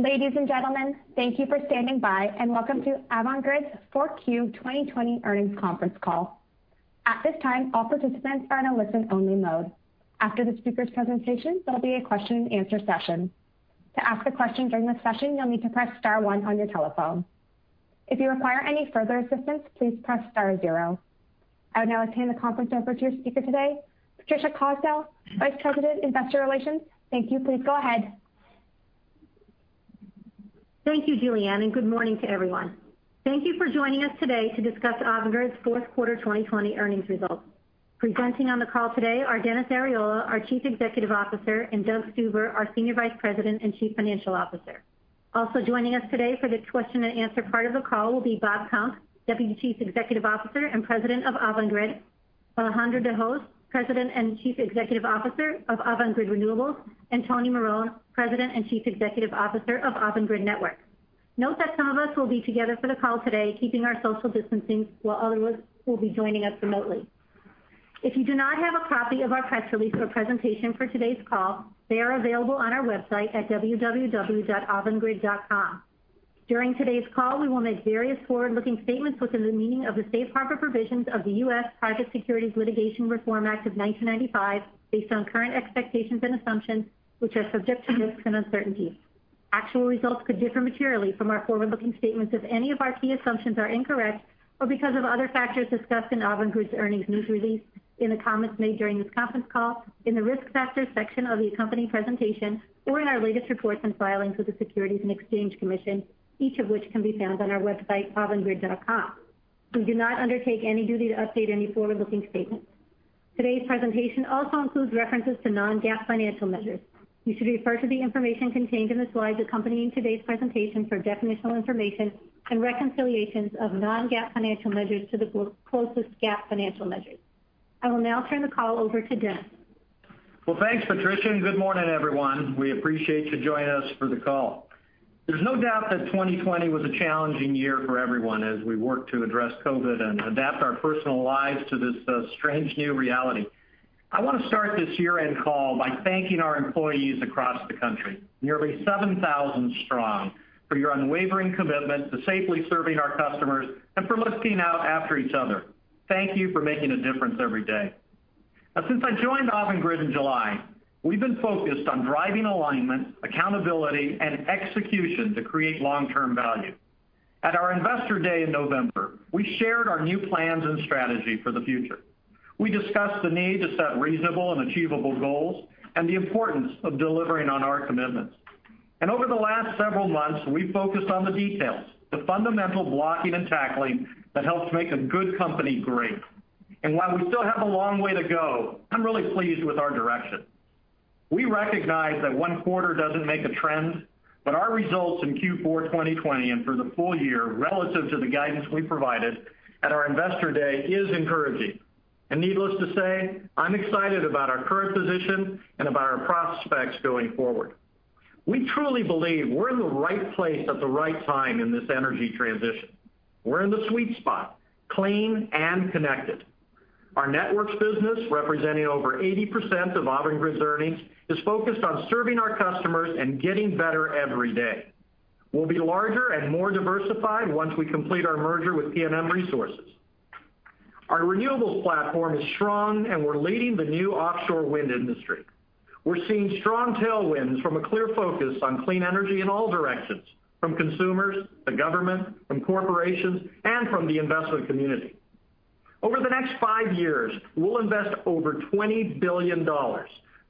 Ladies and gentlemen, thank you for standing by, and welcome to Avangrid's 4Q 2020 Earnings Conference Call. At this time all participants are in a listen-only mode. After the speaker's presentation there'll be a question-and-answer session. To ask a question during this session, you'll need to press star one on your telephone. If you require any further assistance please press star zero. I would now hand the conference over to your speaker today, Patricia Cosgel, Vice President, Investor Relations. Thank you. Please go ahead. Thank you, Julianne, and good morning to everyone. Thank you for joining us today to discuss Avangrid's Fourth Quarter 2020 Earnings Results. Presenting on the call today are Dennis Arriola, our Chief Executive Officer, and Doug Stuver, our Senior Vice President and Chief Financial Officer. Also joining us today for the question and answer part of the call will be Bob Kump, Deputy Chief Executive Officer and President of Avangrid, Alejandro de Hoz, President and Chief Executive Officer of Avangrid Renewables, and Tony Marone, President and Chief Executive Officer of Avangrid Networks. Note that some of us will be together for the call today, keeping our social distancing, while others will be joining us remotely. If you do not have a copy of our press release or presentation for today's call, they are available on our website at www.avangrid.com. During today's call, we will make various forward-looking statements within the meaning of the safe harbor provisions of the U.S. Private Securities Litigation Reform Act of 1995, based on current expectations and assumptions, which are subject to risks and uncertainties. Actual results could differ materially from our forward-looking statements if any of our key assumptions are incorrect, or because of other factors discussed in Avangrid's earnings news release, in the comments made during this conference call, in the Risk Factors section of the accompanying presentation, or in our latest reports and filings with the Securities and Exchange Commission, each of which can be found on our website, avangrid.com. We do not undertake any duty to update any forward-looking statements. Today's presentation also includes references to non-GAAP financial measures. You should refer to the information contained in the slides accompanying today's presentation for definitional information and reconciliations of non-GAAP financial measures to the closest GAAP financial measures. I will now turn the call over to Dennis. Well, thanks, Patricia. Good morning, everyone. We appreciate you joining us for the call. There's no doubt that 2020 was a challenging year for everyone as we worked to address COVID and adapt our personal lives to this strange new reality. I want to start this year-end call by thanking our employees across the country, nearly 7,000 strong, for your unwavering commitment to safely serving our customers and for looking out after each other. Thank you for making a difference every day. Now, since I joined Avangrid in July, we've been focused on driving alignment, accountability, and execution to create long-term value. At our Investor Day in November, we shared our new plans and strategy for the future. We discussed the need to set reasonable and achievable goals and the importance of delivering on our commitments. Over the last several months, we've focused on the details, the fundamental blocking and tackling that helps make a good company great. While we still have a long way to go, I'm really pleased with our direction. We recognize that one quarter doesn't make a trend, but our results in Q4 2020 and for the full year relative to the guidance we provided at our Investor Day is encouraging. Needless to say, I'm excited about our current position and about our prospects going forward. We truly believe we're in the right place at the right time in this energy transition. We're in the sweet spot, clean and connected. Our networks business, representing over 80% of Avangrid's earnings, is focused on serving our customers and getting better every day. We'll be larger and more diversified once we complete our merger with PNM Resources. Our renewables platform is strong, and we're leading the new offshore wind industry. We're seeing strong tailwinds from a clear focus on clean energy in all directions, from consumers, the government, from corporations, and from the investment community. Over the next five years, we'll invest over $20 billion,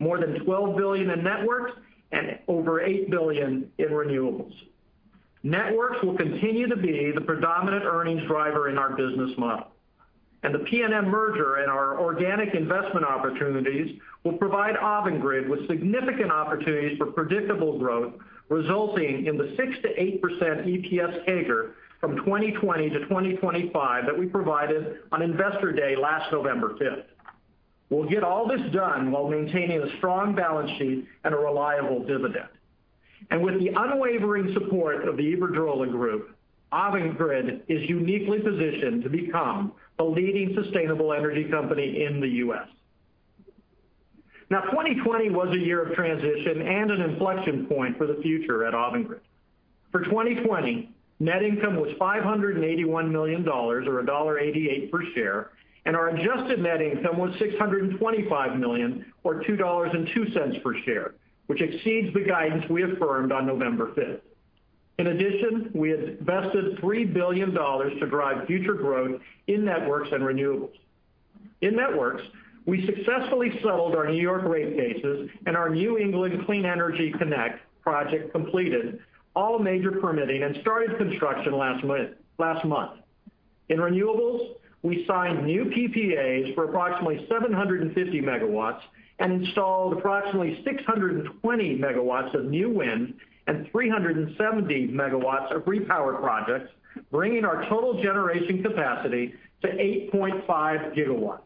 more than $12 billion in networks and over $8 billion in renewables. Networks will continue to be the predominant earnings driver in our business model, and the PNM merger and our organic investment opportunities will provide Avangrid with significant opportunities for predictable growth, resulting in the 6%-8% EPS CAGR from 2020 to 2025 that we provided on Investor Day last November 5th. We'll get all this done while maintaining a strong balance sheet and a reliable dividend. With the unwavering support of the Iberdrola group, Avangrid is uniquely positioned to become a leading sustainable energy company in the U.S. 2020 was a year of transition and an inflection point for the future at Avangrid. For 2020, net income was $581 million, or $1.88 per share, and our adjusted net income was $625 million, or $2.02 per share, which exceeds the guidance we affirmed on November 5th. In addition, we invested $3 billion to drive future growth in networks and renewables. In networks, we successfully settled our New York rate cases and our New England Clean Energy Connect project completed all major permitting and started construction last month. In renewables, we signed new PPAs for approximately 750 MW and installed approximately 620 MW of new wind and 370 MW of repower projects, bringing our total generation capacity to 8.5 GW.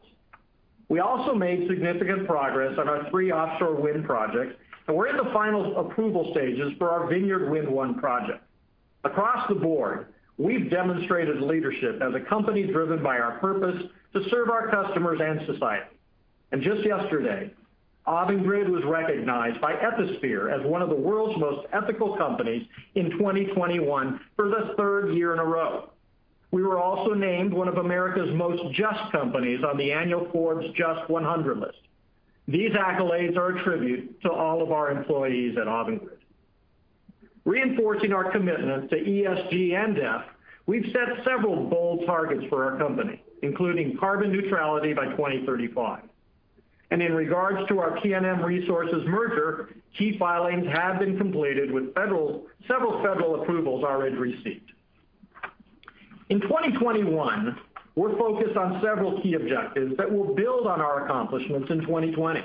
We also made significant progress on our three offshore wind projects, and we're in the final approval stages for our Vineyard Wind 1 project. Across the board, we've demonstrated leadership as a company driven by our purpose to serve our customers and society. Just yesterday, Avangrid was recognized by Ethisphere as one of the world's most ethical companies in 2021 for the third year in a row. We were also named one of America's most just companies on the annual Forbes JUST 100 list. These accolades are a tribute to all of our employees at Avangrid. Reinforcing our commitment to ESG+F, we've set several bold targets for our company, including carbon neutrality by 2035. In regards to our PNM Resources merger, key filings have been completed with several federal approvals already received. In 2021, we're focused on several key objectives that will build on our accomplishments in 2020.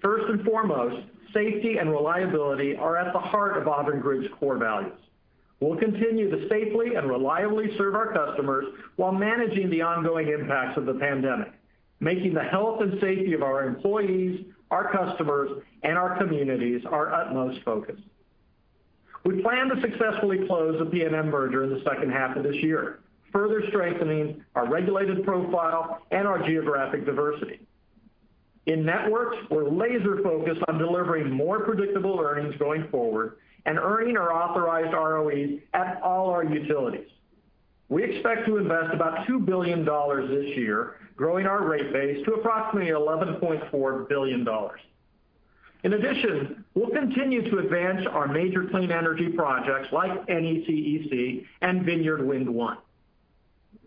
First and foremost, safety and reliability are at the heart of Avangrid's core values. We'll continue to safely and reliably serve our customers while managing the ongoing impacts of the pandemic, making the health and safety of our employees, our customers, and our communities our utmost focus. We plan to successfully close the PNM merger in the second half of this year, further strengthening our regulated profile and our geographic diversity. In Networks, we're laser focused on delivering more predictable earnings going forward and earning our authorized ROEs at all our utilities. We expect to invest about $2 billion this year, growing our rate base to approximately $11.4 billion. In addition, we'll continue to advance our major clean energy projects like NECEC and Vineyard Wind 1.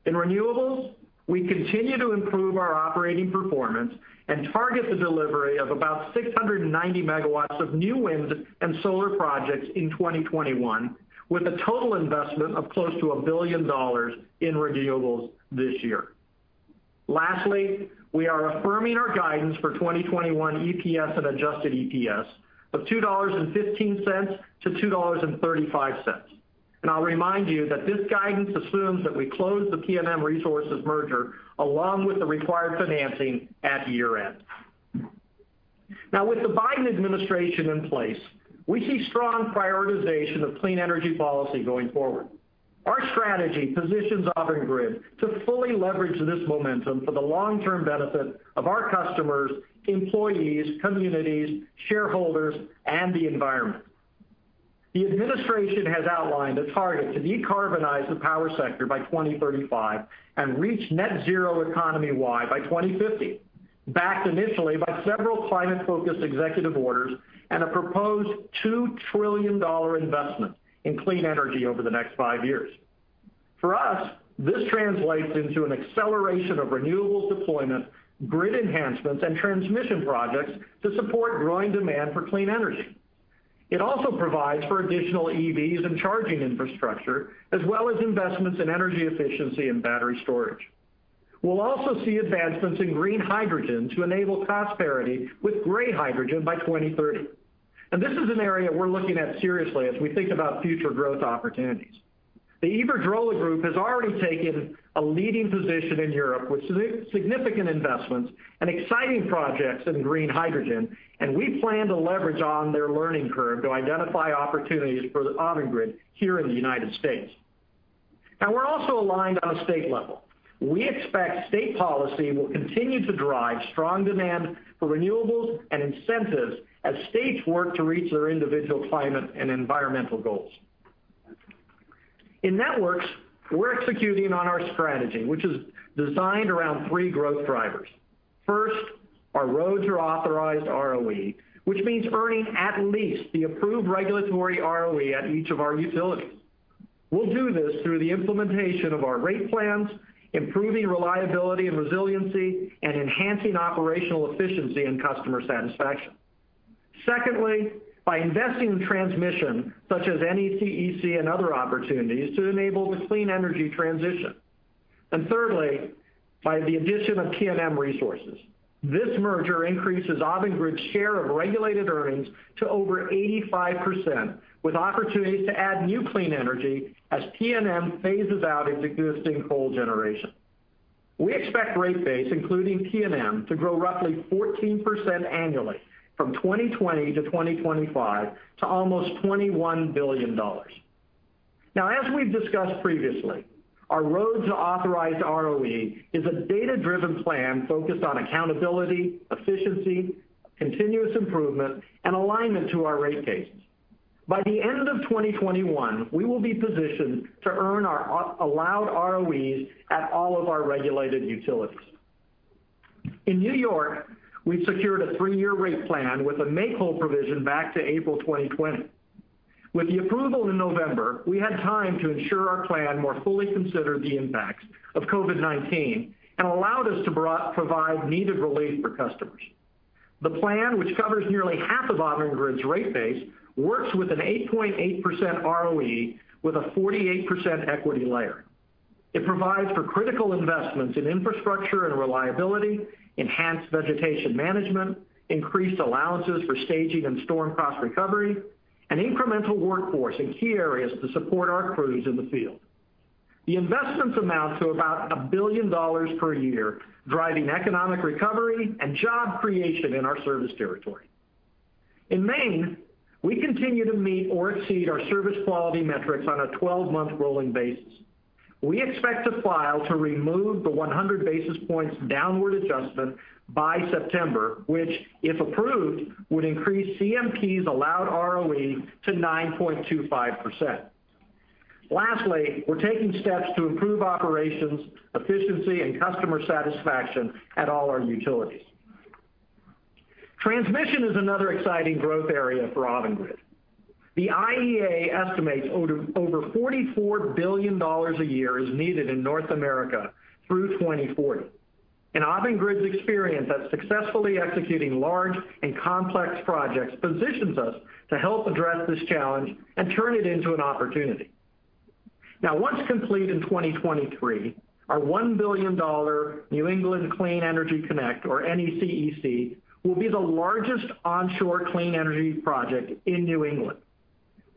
In Renewables, we continue to improve our operating performance and target the delivery of about 690 MW of new wind and solar projects in 2021, with a total investment of close to $1 billion in Renewables this year. We are affirming our guidance for 2021 EPS and adjusted EPS of $2.15-$2.35. I'll remind you that this guidance assumes that we close the PNM Resources merger along with the required financing at year-end. With the Biden administration in place, we see strong prioritization of clean energy policy going forward. Our strategy positions Avangrid to fully leverage this momentum for the long-term benefit of our customers, employees, communities, shareholders, and the environment. The administration has outlined a target to decarbonize the power sector by 2035 and reach net zero economy-wide by 2050, backed initially by several climate-focused executive orders and a proposed $2 trillion investment in clean energy over the next five years. For us, this translates into an acceleration of renewables deployment, grid enhancements, and transmission projects to support growing demand for clean energy. It also provides for additional EVs and charging infrastructure, as well as investments in energy efficiency and battery storage. We'll also see advancements in green hydrogen to enable cost parity with gray hydrogen by 2030. This is an area we're looking at seriously as we think about future growth opportunities. The Iberdrola group has already taken a leading position in Europe with significant investments and exciting projects in green hydrogen. We plan to leverage on their learning curve to identify opportunities for Avangrid here in the United States. We're also aligned on a state level. We expect state policy will continue to drive strong demand for renewables and incentives as states work to reach their individual climate and environmental goals. In Networks, we're executing on our strategy, which is designed around three growth drivers. First, our road to authorized ROE, which means earning at least the approved regulatory ROE at each of our utilities. We'll do this through the implementation of our rate plans, improving reliability and resiliency, and enhancing operational efficiency and customer satisfaction. Secondly, by investing in transmission, such as NECEC and other opportunities, to enable the clean energy transition. Thirdly, by the addition of PNM Resources. This merger increases Avangrid's share of regulated earnings to over 85%, with opportunities to add new clean energy as PNM phases out its existing coal generation. We expect rate base, including PNM, to grow roughly 14% annually from 2020 to 2025, to almost $21 billion. As we've discussed previously, our road to authorized ROE is a data-driven plan focused on accountability, efficiency, continuous improvement, and alignment to our rate cases. By the end of 2021, we will be positioned to earn our allowed ROEs at all of our regulated utilities. In New York, we've secured a three-year rate plan with a make-whole provision back to April 2020. With the approval in November, we had time to ensure our plan more fully considered the impacts of COVID-19 and allowed us to provide needed relief for customers. The plan, which covers nearly half of Avangrid's rate base, works with an 8.8% ROE with a 48% equity layer. It provides for critical investments in infrastructure and reliability, enhanced vegetation management, increased allowances for staging and storm cost recovery, and incremental workforce in key areas to support our crews in the field. The investments amount to about $1 billion per year, driving economic recovery and job creation in our service territory. In Maine, we continue to meet or exceed our service quality metrics on a 12-month rolling basis. We expect to file to remove the 100 basis points downward adjustment by September, which, if approved, would increase CMP's allowed ROE to 9.25%. Lastly, we're taking steps to improve operations, efficiency, and customer satisfaction at all our utilities. Transmission is another exciting growth area for Avangrid. The IEA estimates over $44 billion a year is needed in North America through 2040. Avangrid's experience at successfully executing large and complex projects positions us to help address this challenge and turn it into an opportunity. Now, once complete in 2023, our $1 billion New England Clean Energy Connect, or NECEC, will be the largest onshore clean energy project in New England.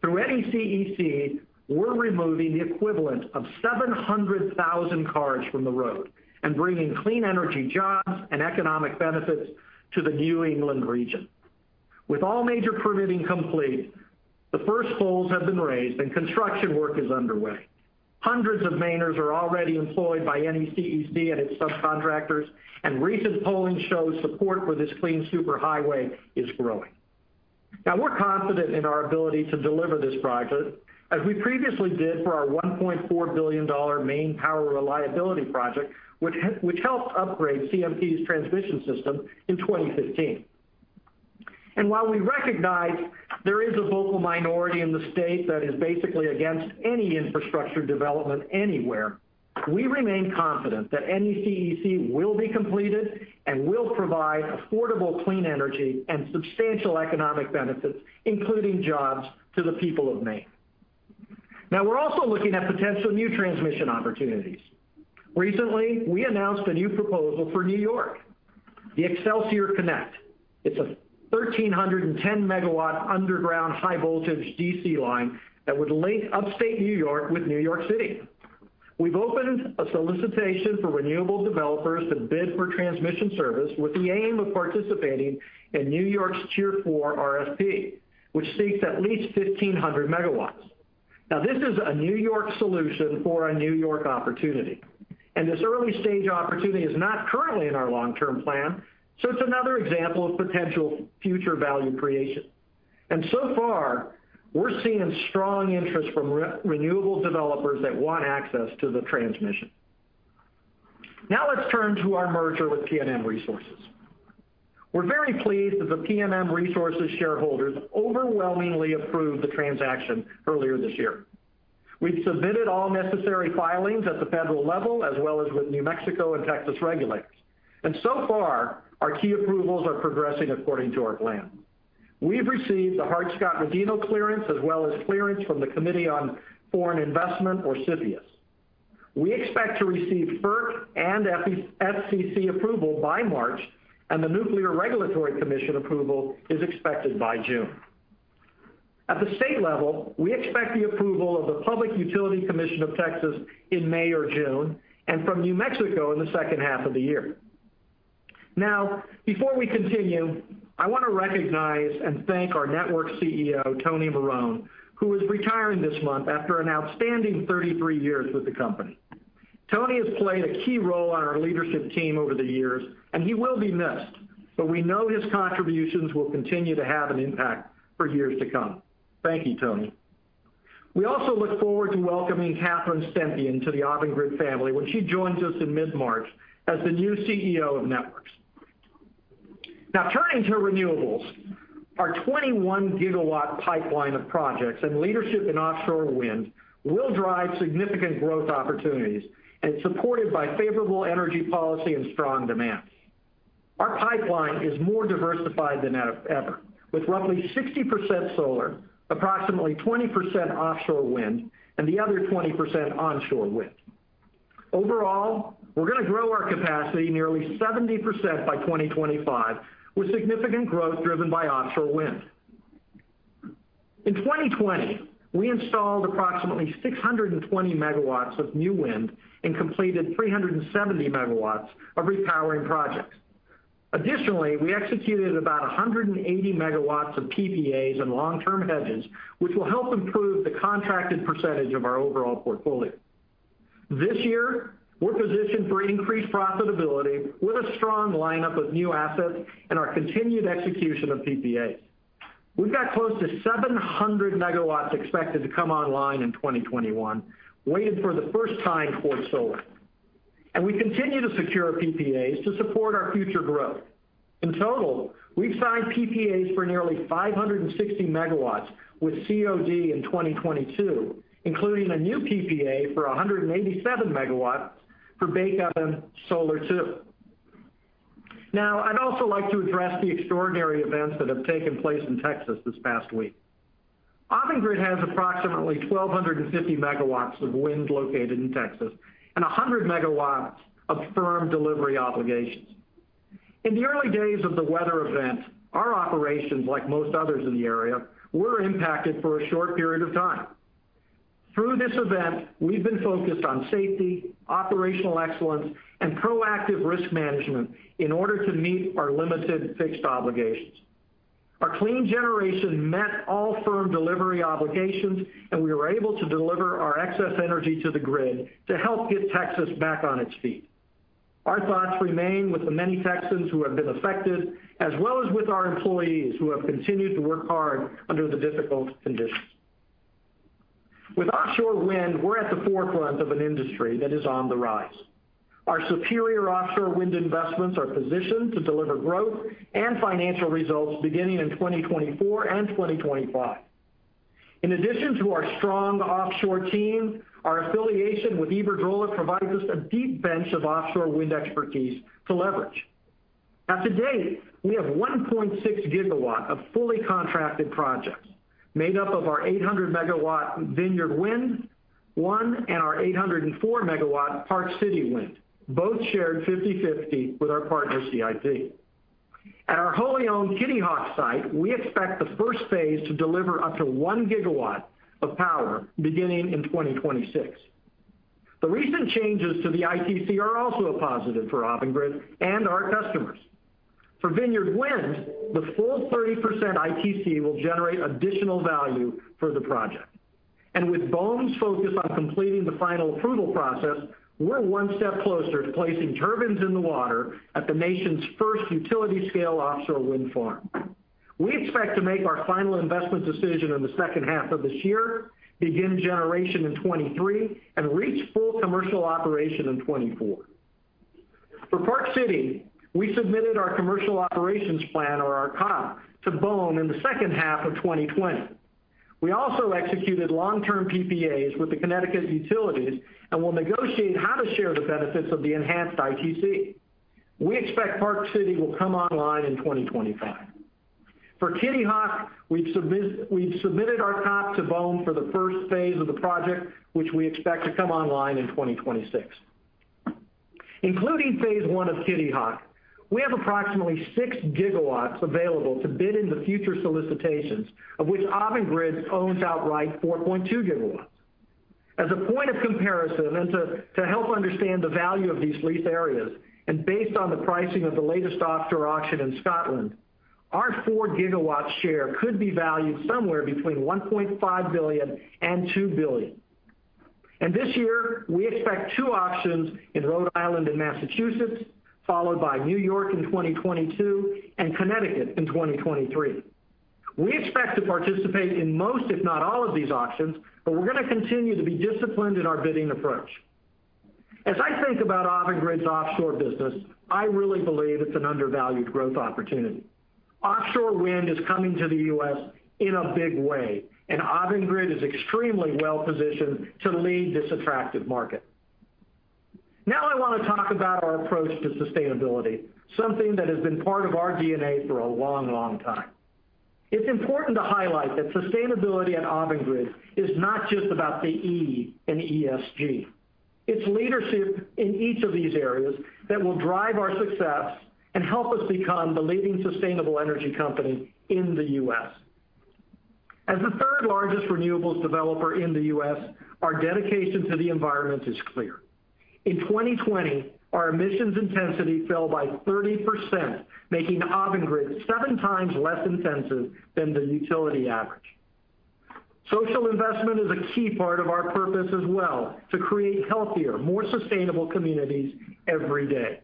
Through NECEC, we're removing the equivalent of 700,000 cars from the road and bringing clean energy jobs and economic benefits to the New England region. With all major permitting complete, the first poles have been raised and construction work is underway. Hundreds of Mainers are already employed by NECEC and its subcontractors, and recent polling shows support for this clean super highway is growing. We're confident in our ability to deliver this project, as we previously did for our $1.4 billion Maine Power Reliability Project, which helped upgrade CMP's transmission system in 2015. While we recognize there is a vocal minority in the state that is basically against any infrastructure development anywhere, we remain confident that NECEC will be completed and will provide affordable clean energy and substantial economic benefits, including jobs, to the people of Maine. We're also looking at potential new transmission opportunities. Recently, we announced a new proposal for New York, the Excelsior Connect. It's a 1,310 MW underground high-voltage DC line that would link upstate New York with New York City. We've opened a solicitation for renewable developers to bid for transmission service with the aim of participating in New York's Tier 4 RFP, which seeks at least 1,500 MW. This is a New York solution for a New York opportunity, and this early-stage opportunity is not currently in our long-term plan, so it's another example of potential future value creation. So far, we're seeing strong interest from renewable developers that want access to the transmission. Let's turn to our merger with PNM Resources. We're very pleased that the PNM Resources shareholders overwhelmingly approved the transaction earlier this year. We've submitted all necessary filings at the federal level, as well as with New Mexico and Texas regulators. So far, our key approvals are progressing according to our plan. We've received the Hart-Scott-Rodino clearance, as well as clearance from the Committee on Foreign Investment, or CFIUS. We expect to receive FERC and FCC approval by March, and the Nuclear Regulatory Commission approval is expected by June. At the state level, we expect the approval of the Public Utility Commission of Texas in May or June, and from New Mexico in the second half of the year. Before we continue, I want to recognize and thank our Networks CEO, Tony Marone, who is retiring this month after an outstanding 33 years with the company. Tony has played a key role on our leadership team over the years, and he will be missed, but we know his contributions will continue to have an impact for years to come. Thank you, Tony. We also look forward to welcoming Catherine Stempien to the Avangrid family when she joins us in mid-March as the new CEO of Networks. Turning to renewables, our 21 GW pipeline of projects and leadership in offshore wind will drive significant growth opportunities and supported by favorable energy policy and strong demand. Our pipeline is more diversified than ever, with roughly 60% solar, approximately 20% offshore wind, and the other 20% onshore wind. Overall, we're going to grow our capacity nearly 70% by 2025, with significant growth driven by offshore wind. In 2020, we installed approximately 620 MW of new wind and completed 370 MW of repowering projects. Additionally, we executed about 180 MW of PPAs and long-term hedges, which will help improve the contracted percentage of our overall portfolio. This year, we're positioned for increased profitability with a strong lineup of new assets and our continued execution of PPAs. We've got close to 700 MW expected to come online in 2021, weighted for the first time towards solar. We continue to secure PPAs to support our future growth. In total, we've signed PPAs for nearly 560 MW with COD in 2022, including a new PPA for 187 MW for Bakeoven Solar. I'd also like to address the extraordinary events that have taken place in Texas this past week. Avangrid has approximately 1,250 MW of wind located in Texas and 100 MW of firm delivery obligations. In the early days of the weather event, our operations, like most others in the area, were impacted for a short period of time. Through this event, we've been focused on safety, operational excellence, and proactive risk management in order to meet our limited fixed obligations. Our clean generation met all firm delivery obligations, and we were able to deliver our excess energy to the grid to help get Texas back on its feet. Our thoughts remain with the many Texans who have been affected, as well as with our employees, who have continued to work hard under the difficult conditions. With offshore wind, we're at the forefront of an industry that is on the rise. Our superior offshore wind investments are positioned to deliver growth and financial results beginning in 2024 and 2025. In addition to our strong offshore team, our affiliation with Iberdrola provides us a deep bench of offshore wind expertise to leverage. Now to date, we have 1.6 GW of fully contracted projects, made up of our 800 MW Vineyard Wind 1 and our 804 MW Park City Wind, both shared 50/50 with our partner, CIP. At our wholly-owned Kitty Hawk site, we expect the first phase to deliver up to 1 GW of power beginning in 2026. The recent changes to the ITC are also a positive for Avangrid and our customers. For Vineyard Wind, the full 30% ITC will generate additional value for the project. With BOEM's focus on completing the final approval process, we're one step closer to placing turbines in the water at the nation's first utility-scale offshore wind farm. We expect to make our final investment decision in the second half of this year, begin generation in 2023, and reach full commercial operation in 2024. For Park City, we submitted our commercial operations plan, or our COP, to BOEM in the second half of 2020. We also executed long-term PPAs with the Connecticut utilities and will negotiate how to share the benefits of the enhanced ITC. We expect Park City will come online in 2025. For Kitty Hawk, we've submitted our COP to BOEM for the first phase of the project, which we expect to come online in 2026. Including Phase 1 of Kitty Hawk, we have approximately 6 GW available to bid into future solicitations, of which Avangrid owns outright 4.2 GW. As a point of comparison and to help understand the value of these lease areas, based on the pricing of the latest offshore auction in Scotland, our 4 GW share could be valued somewhere between $1.5 billion and $2 billion. This year, we expect two auctions in Rhode Island and Massachusetts, followed by New York in 2022 and Connecticut in 2023. We expect to participate in most, if not all, of these auctions, but we're going to continue to be disciplined in our bidding approach. As I think about Avangrid's offshore business, I really believe it's an undervalued growth opportunity. Offshore wind is coming to the U.S. in a big way. Avangrid is extremely well-positioned to lead this attractive market. I want to talk about our approach to sustainability, something that has been part of our DNA for a long time. It's important to highlight that sustainability at Avangrid is not just about the E in ESG. It's leadership in each of these areas that will drive our success and help us become the leading sustainable energy company in the U.S. As the third-largest renewables developer in the U.S., our dedication to the environment is clear. In 2020, our emissions intensity fell by 30%, making Avangrid seven times less intensive than the utility average. Social investment is a key part of our purpose as well, to create healthier, more sustainable communities every day.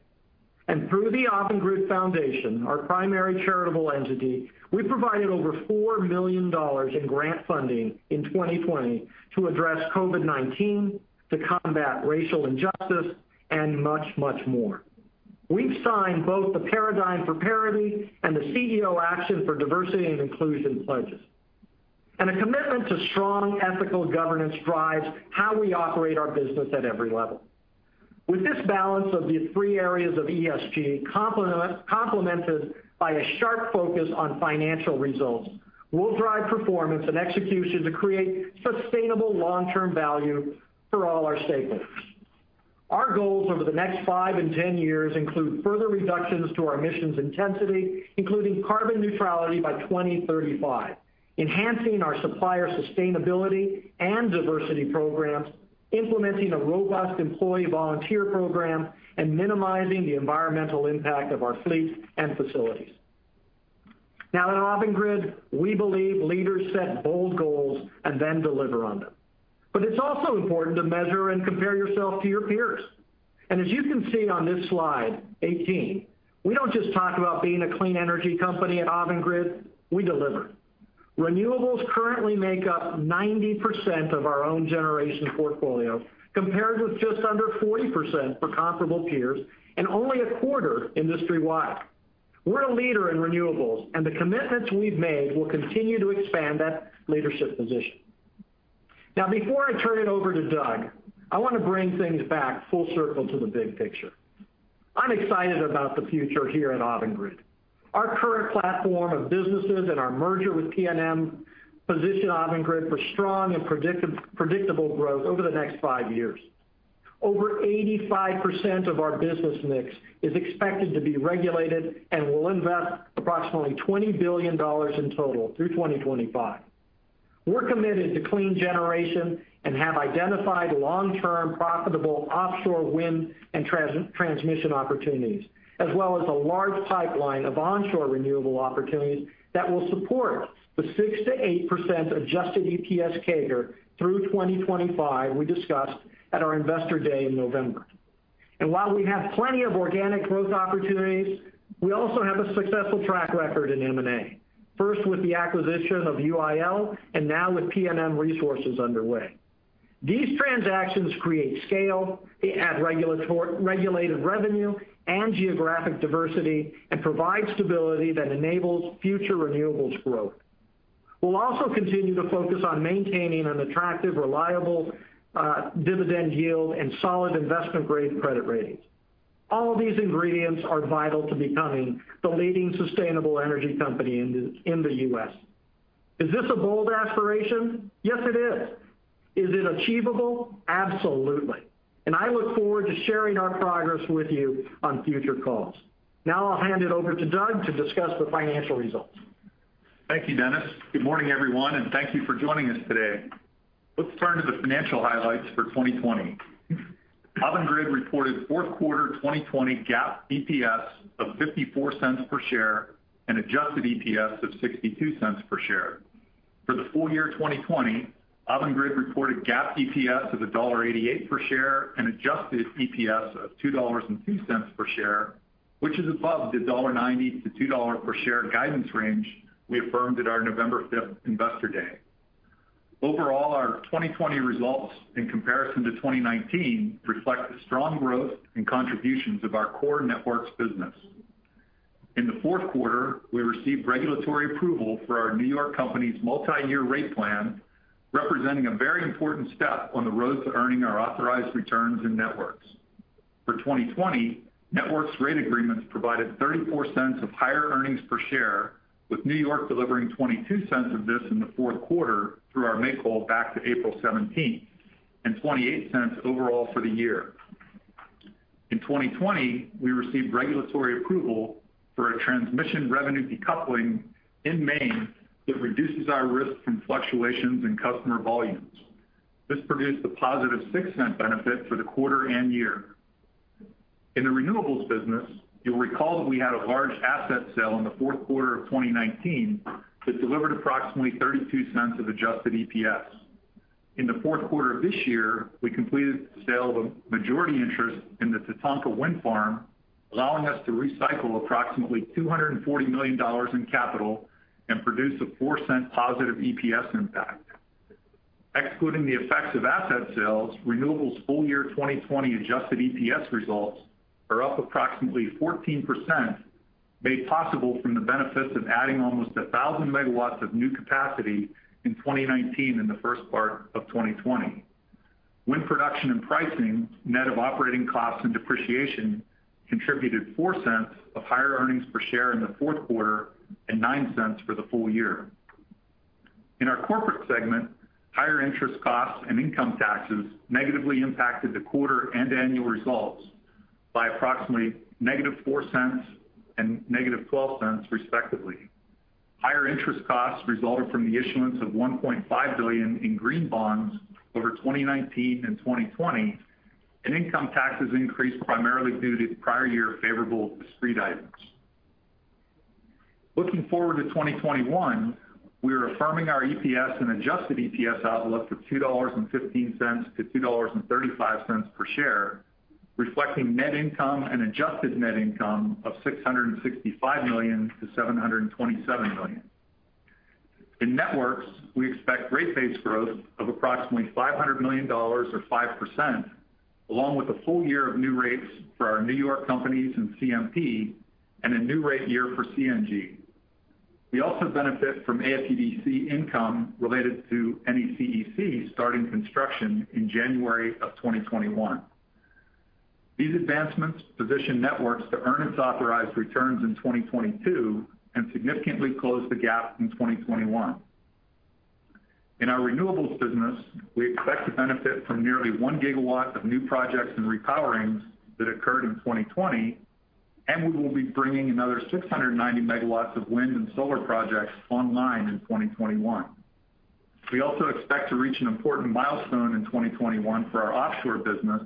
Through the Avangrid Foundation, our primary charitable entity, we provided over $4 million in grant funding in 2020 to address COVID-19, to combat racial injustice, and much, much more. We've signed both the Paradigm for Parity and the CEO Action for Diversity & Inclusion pledges. A commitment to strong ethical governance drives how we operate our business at every level. With this balance of the three areas of ESG, complemented by a sharp focus on financial results, we'll drive performance and execution to create sustainable long-term value for all our stakeholders. Our goals over the next five and 10 years include further reductions to our emissions intensity, including carbon neutrality by 2035, enhancing our supplier sustainability and diversity programs, implementing a robust employee volunteer program, and minimizing the environmental impact of our fleet and facilities. At Avangrid, we believe leaders set bold goals and then deliver on them. It's also important to measure and compare yourself to your peers. As you can see on this slide 18, we don't just talk about being a clean energy company at Avangrid, we deliver. Renewables currently make up 90% of our own generation portfolio, compared with just under 40% for comparable peers, and only a quarter industry-wide. We're a leader in renewables, and the commitments we've made will continue to expand that leadership position. Before I turn it over to Doug, I want to bring things back full circle to the big picture. I'm excited about the future here at Avangrid. Our current platform of businesses and our merger with PNM position Avangrid for strong and predictable growth over the next five years. Over 85% of our business mix is expected to be regulated, and we'll invest approximately $20 billion in total through 2025. We're committed to clean generation and have identified long-term profitable offshore wind and transmission opportunities, as well as a large pipeline of onshore renewable opportunities that will support the 6%-8% adjusted EPS CAGR through 2025 we discussed at our Investor Day in November. While we have plenty of organic growth opportunities, we also have a successful track record in M&A, first with the acquisition of UIL and now with PNM Resources underway. These transactions create scale, they add regulated revenue and geographic diversity, and provide stability that enables future renewables growth. We'll also continue to focus on maintaining an attractive, reliable, dividend yield, and solid investment-grade credit ratings. All these ingredients are vital to becoming the leading sustainable energy company in the U.S. Is this a bold aspiration? Yes, it is. Is it achievable? Absolutely. I look forward to sharing our progress with you on future calls. I'll hand it over to Doug to discuss the financial results. Thank you, Dennis. Good morning, everyone, and thank you for joining us today. Let's turn to the financial highlights for 2020. Avangrid reported fourth quarter 2020 GAAP EPS of $0.54 per share and adjusted EPS of $0.62 per share. For the full year 2020, Avangrid reported GAAP EPS of $1.88 per share and adjusted EPS of $2.02 per share, which is above the $1.90-$2 per share guidance range we affirmed at our November 5th Investor Day. Overall, our 2020 results in comparison to 2019 reflect the strong growth and contributions of our core networks business. In the fourth quarter, we received regulatory approval for our New York company's multi-year rate plan, representing a very important step on the road to earning our authorized returns in networks. For 2020, Networks rate agreements provided $0.34 of higher earnings per share, with New York delivering $0.22 of this in the fourth quarter through our make-whole back to April 17, and $0.28 overall for the year. In 2020, we received regulatory approval for a transmission revenue decoupling in Maine that reduces our risk from fluctuations in customer volumes. This produced a positive $0.06 benefit for the quarter and year. In the Renewables business, you'll recall that we had a large asset sale in the fourth quarter of 2019 that delivered approximately $0.32 of adjusted EPS. In the fourth quarter of this year, we completed the sale of a majority interest in the Tatanka Wind Farm, allowing us to recycle approximately $240 million in capital and produce a $0.04+ EPS impact. Excluding the effects of asset sales, Renewables' full year 2020 adjusted EPS results are up approximately 14%, made possible from the benefits of adding almost 1,000 MW of new capacity in 2019 and the first part of 2020. Wind production and pricing, net of operating costs and depreciation, contributed $0.04 of higher earnings per share in the fourth quarter and $0.09 for the full year. In our corporate segment, higher interest costs and income taxes negatively impacted the quarter and annual results by approximately -$0.04 and -$0.12 respectively. Higher interest costs resulted from the issuance of $1.5 billion in green bonds over 2019 and 2020, and income taxes increased primarily due to the prior year favorable discrete items. Looking forward to 2021, we are affirming our EPS and adjusted EPS outlook for $2.15-$2.35 per share, reflecting net income and adjusted net income of $665 million-$727 million. In Networks, we expect rate-based growth of approximately $500 million, or 5%, along with a full year of new rates for our New York companies and CMP, and a new rate year for CNG. We also benefit from AFUDC income related to NECEC starting construction in January of 2021. These advancements position Networks to earn its authorized returns in 2022 and significantly close the gap in 2021. In our Renewables business, we expect to benefit from nearly 1 GW of new projects and repowerings that occurred in 2020, and we will be bringing another 690 MW of wind and solar projects online in 2021. We also expect to reach an important milestone in 2021 for our offshore business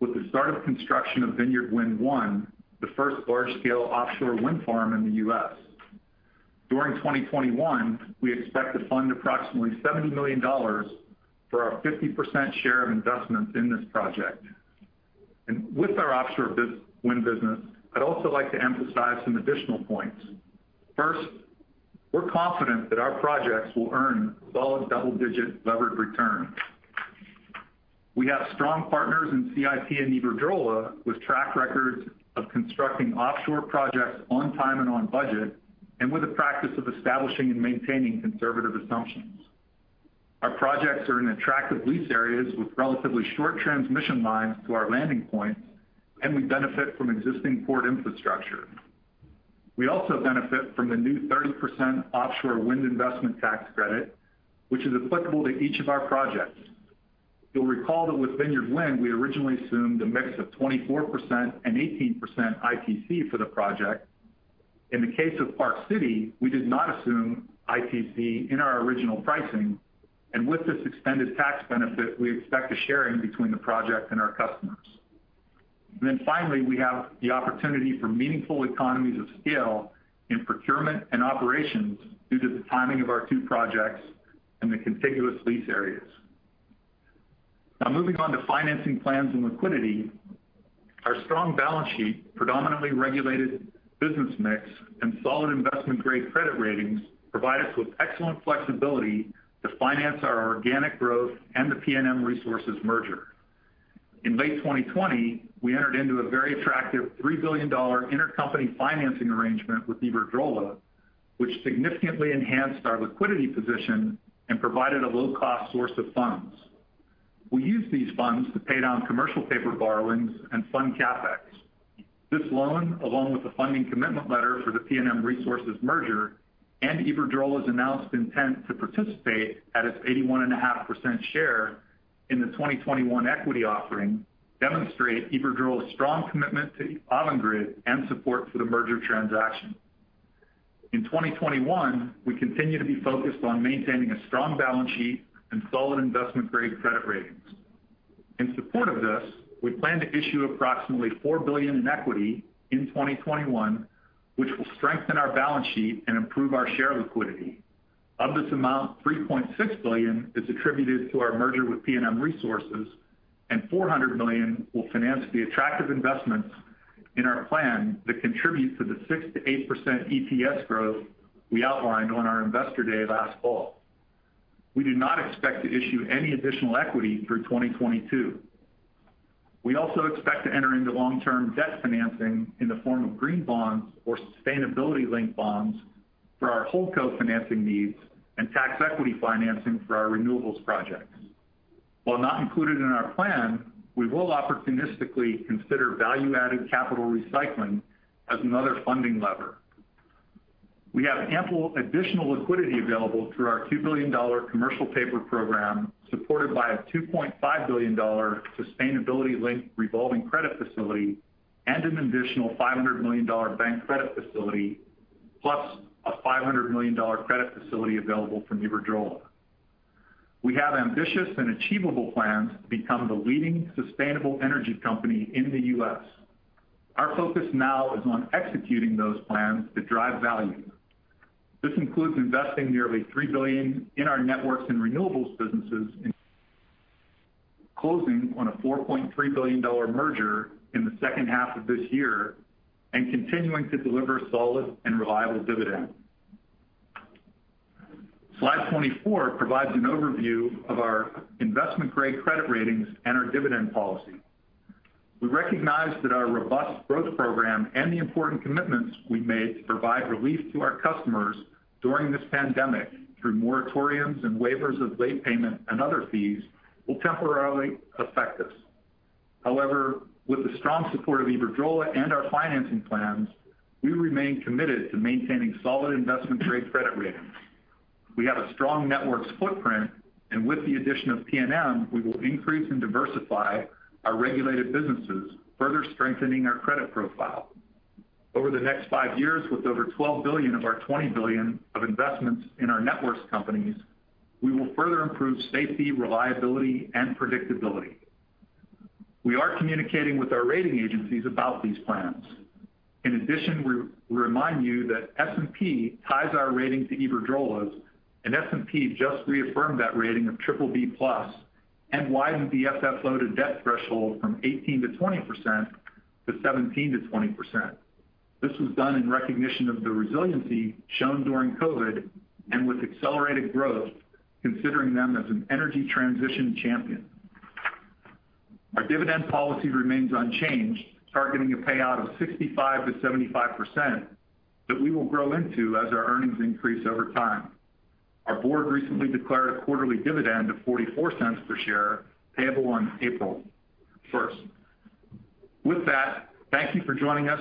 with the start of construction of Vineyard Wind 1, the first large-scale offshore wind farm in the U.S. During 2021, we expect to fund approximately $70 million for our 50% share of investments in this project. With our offshore wind business, I'd also like to emphasize some additional points. First, we're confident that our projects will earn solid double-digit levered returns. We have strong partners in CIP and Iberdrola with track records of constructing offshore projects on time and on budget, and with a practice of establishing and maintaining conservative assumptions. Our projects are in attractive lease areas with relatively short transmission lines to our landing points, and we benefit from existing port infrastructure. We also benefit from the new 30% offshore wind investment tax credit, which is applicable to each of our projects. You'll recall that with Vineyard Wind, we originally assumed a mix of 24% and 18% ITC for the project. In the case of Park City, we did not assume ITC in our original pricing, and with this extended tax benefit, we expect a sharing between the project and our customers. Finally, we have the opportunity for meaningful economies of scale in procurement and operations due to the timing of our two projects and the contiguous lease areas. Moving on to financing plans and liquidity. Our strong balance sheet, predominantly regulated business mix, and solid investment-grade credit ratings provide us with excellent flexibility to finance our organic growth and the PNM Resources merger. In late 2020, we entered into a very attractive $3 billion intercompany financing arrangement with Iberdrola, which significantly enhanced our liquidity position and provided a low-cost source of funds. We used these funds to pay down commercial paper borrowings and fund CapEx. This loan, along with the funding commitment letter for the PNM Resources merger and Iberdrola's announced intent to participate at its 81.5% share in the 2021 equity offering, demonstrate Iberdrola's strong commitment to Avangrid and support for the merger transaction. In 2021, we continue to be focused on maintaining a strong balance sheet and solid investment-grade credit ratings. In support of this, we plan to issue approximately $4 billion in equity in 2021, which will strengthen our balance sheet and improve our share liquidity. Of this amount, $3.6 billion is attributed to our merger with PNM Resources, and $400 million will finance the attractive investments in our plan that contribute to the 6%-8% EPS growth we outlined on our Investor Day last fall. We do not expect to issue any additional equity through 2022. We also expect to enter into long-term debt financing in the form of green bonds or sustainability linked bonds for our holdco financing needs and tax equity financing for our renewables projects. While not included in our plan, we will opportunistically consider value-added capital recycling as another funding lever. We have ample additional liquidity available through our $2 billion commercial paper program, supported by a $2.5 billion sustainability linked revolving credit facility and an additional $500 million bank credit facility, plus a $500 million credit facility available from Iberdrola. We have ambitious and achievable plans to become the leading sustainable energy company in the U.S. Our focus now is on executing those plans to drive value. This includes investing nearly $3 billion in our Networks and Renewables businesses and closing on a $4.3 billion merger in the second half of this year and continuing to deliver solid and reliable dividend. Slide 24 provides an overview of our investment-grade credit ratings and our dividend policy. We recognize that our robust growth program and the important commitments we made to provide relief to our customers during this pandemic, through moratoriums and waivers of late payment and other fees, will temporarily affect us. However, with the strong support of Iberdrola and our financing plans, we remain committed to maintaining solid investment-grade credit ratings. We have a strong networks footprint, and with the addition of PNM, we will increase and diversify our regulated businesses, further strengthening our credit profile. Over the next five years, with over $12 billion of our $20 billion of investments in our networks companies, we will further improve safety, reliability, and predictability. We are communicating with our rating agencies about these plans. We remind you that S&P ties our rating to Iberdrola's, and S&P just reaffirmed that rating of BBB+ and widened the FFO-to-debt threshold from 18%-20% to 17%-20%. This was done in recognition of the resiliency shown during COVID and with accelerated growth, considering them as an energy transition champion. Our dividend policy remains unchanged, targeting a payout of 65%-75% that we will grow into as our earnings increase over time. Our board recently declared a quarterly dividend of $0.44 per share, payable on April 1st. Thank you for joining us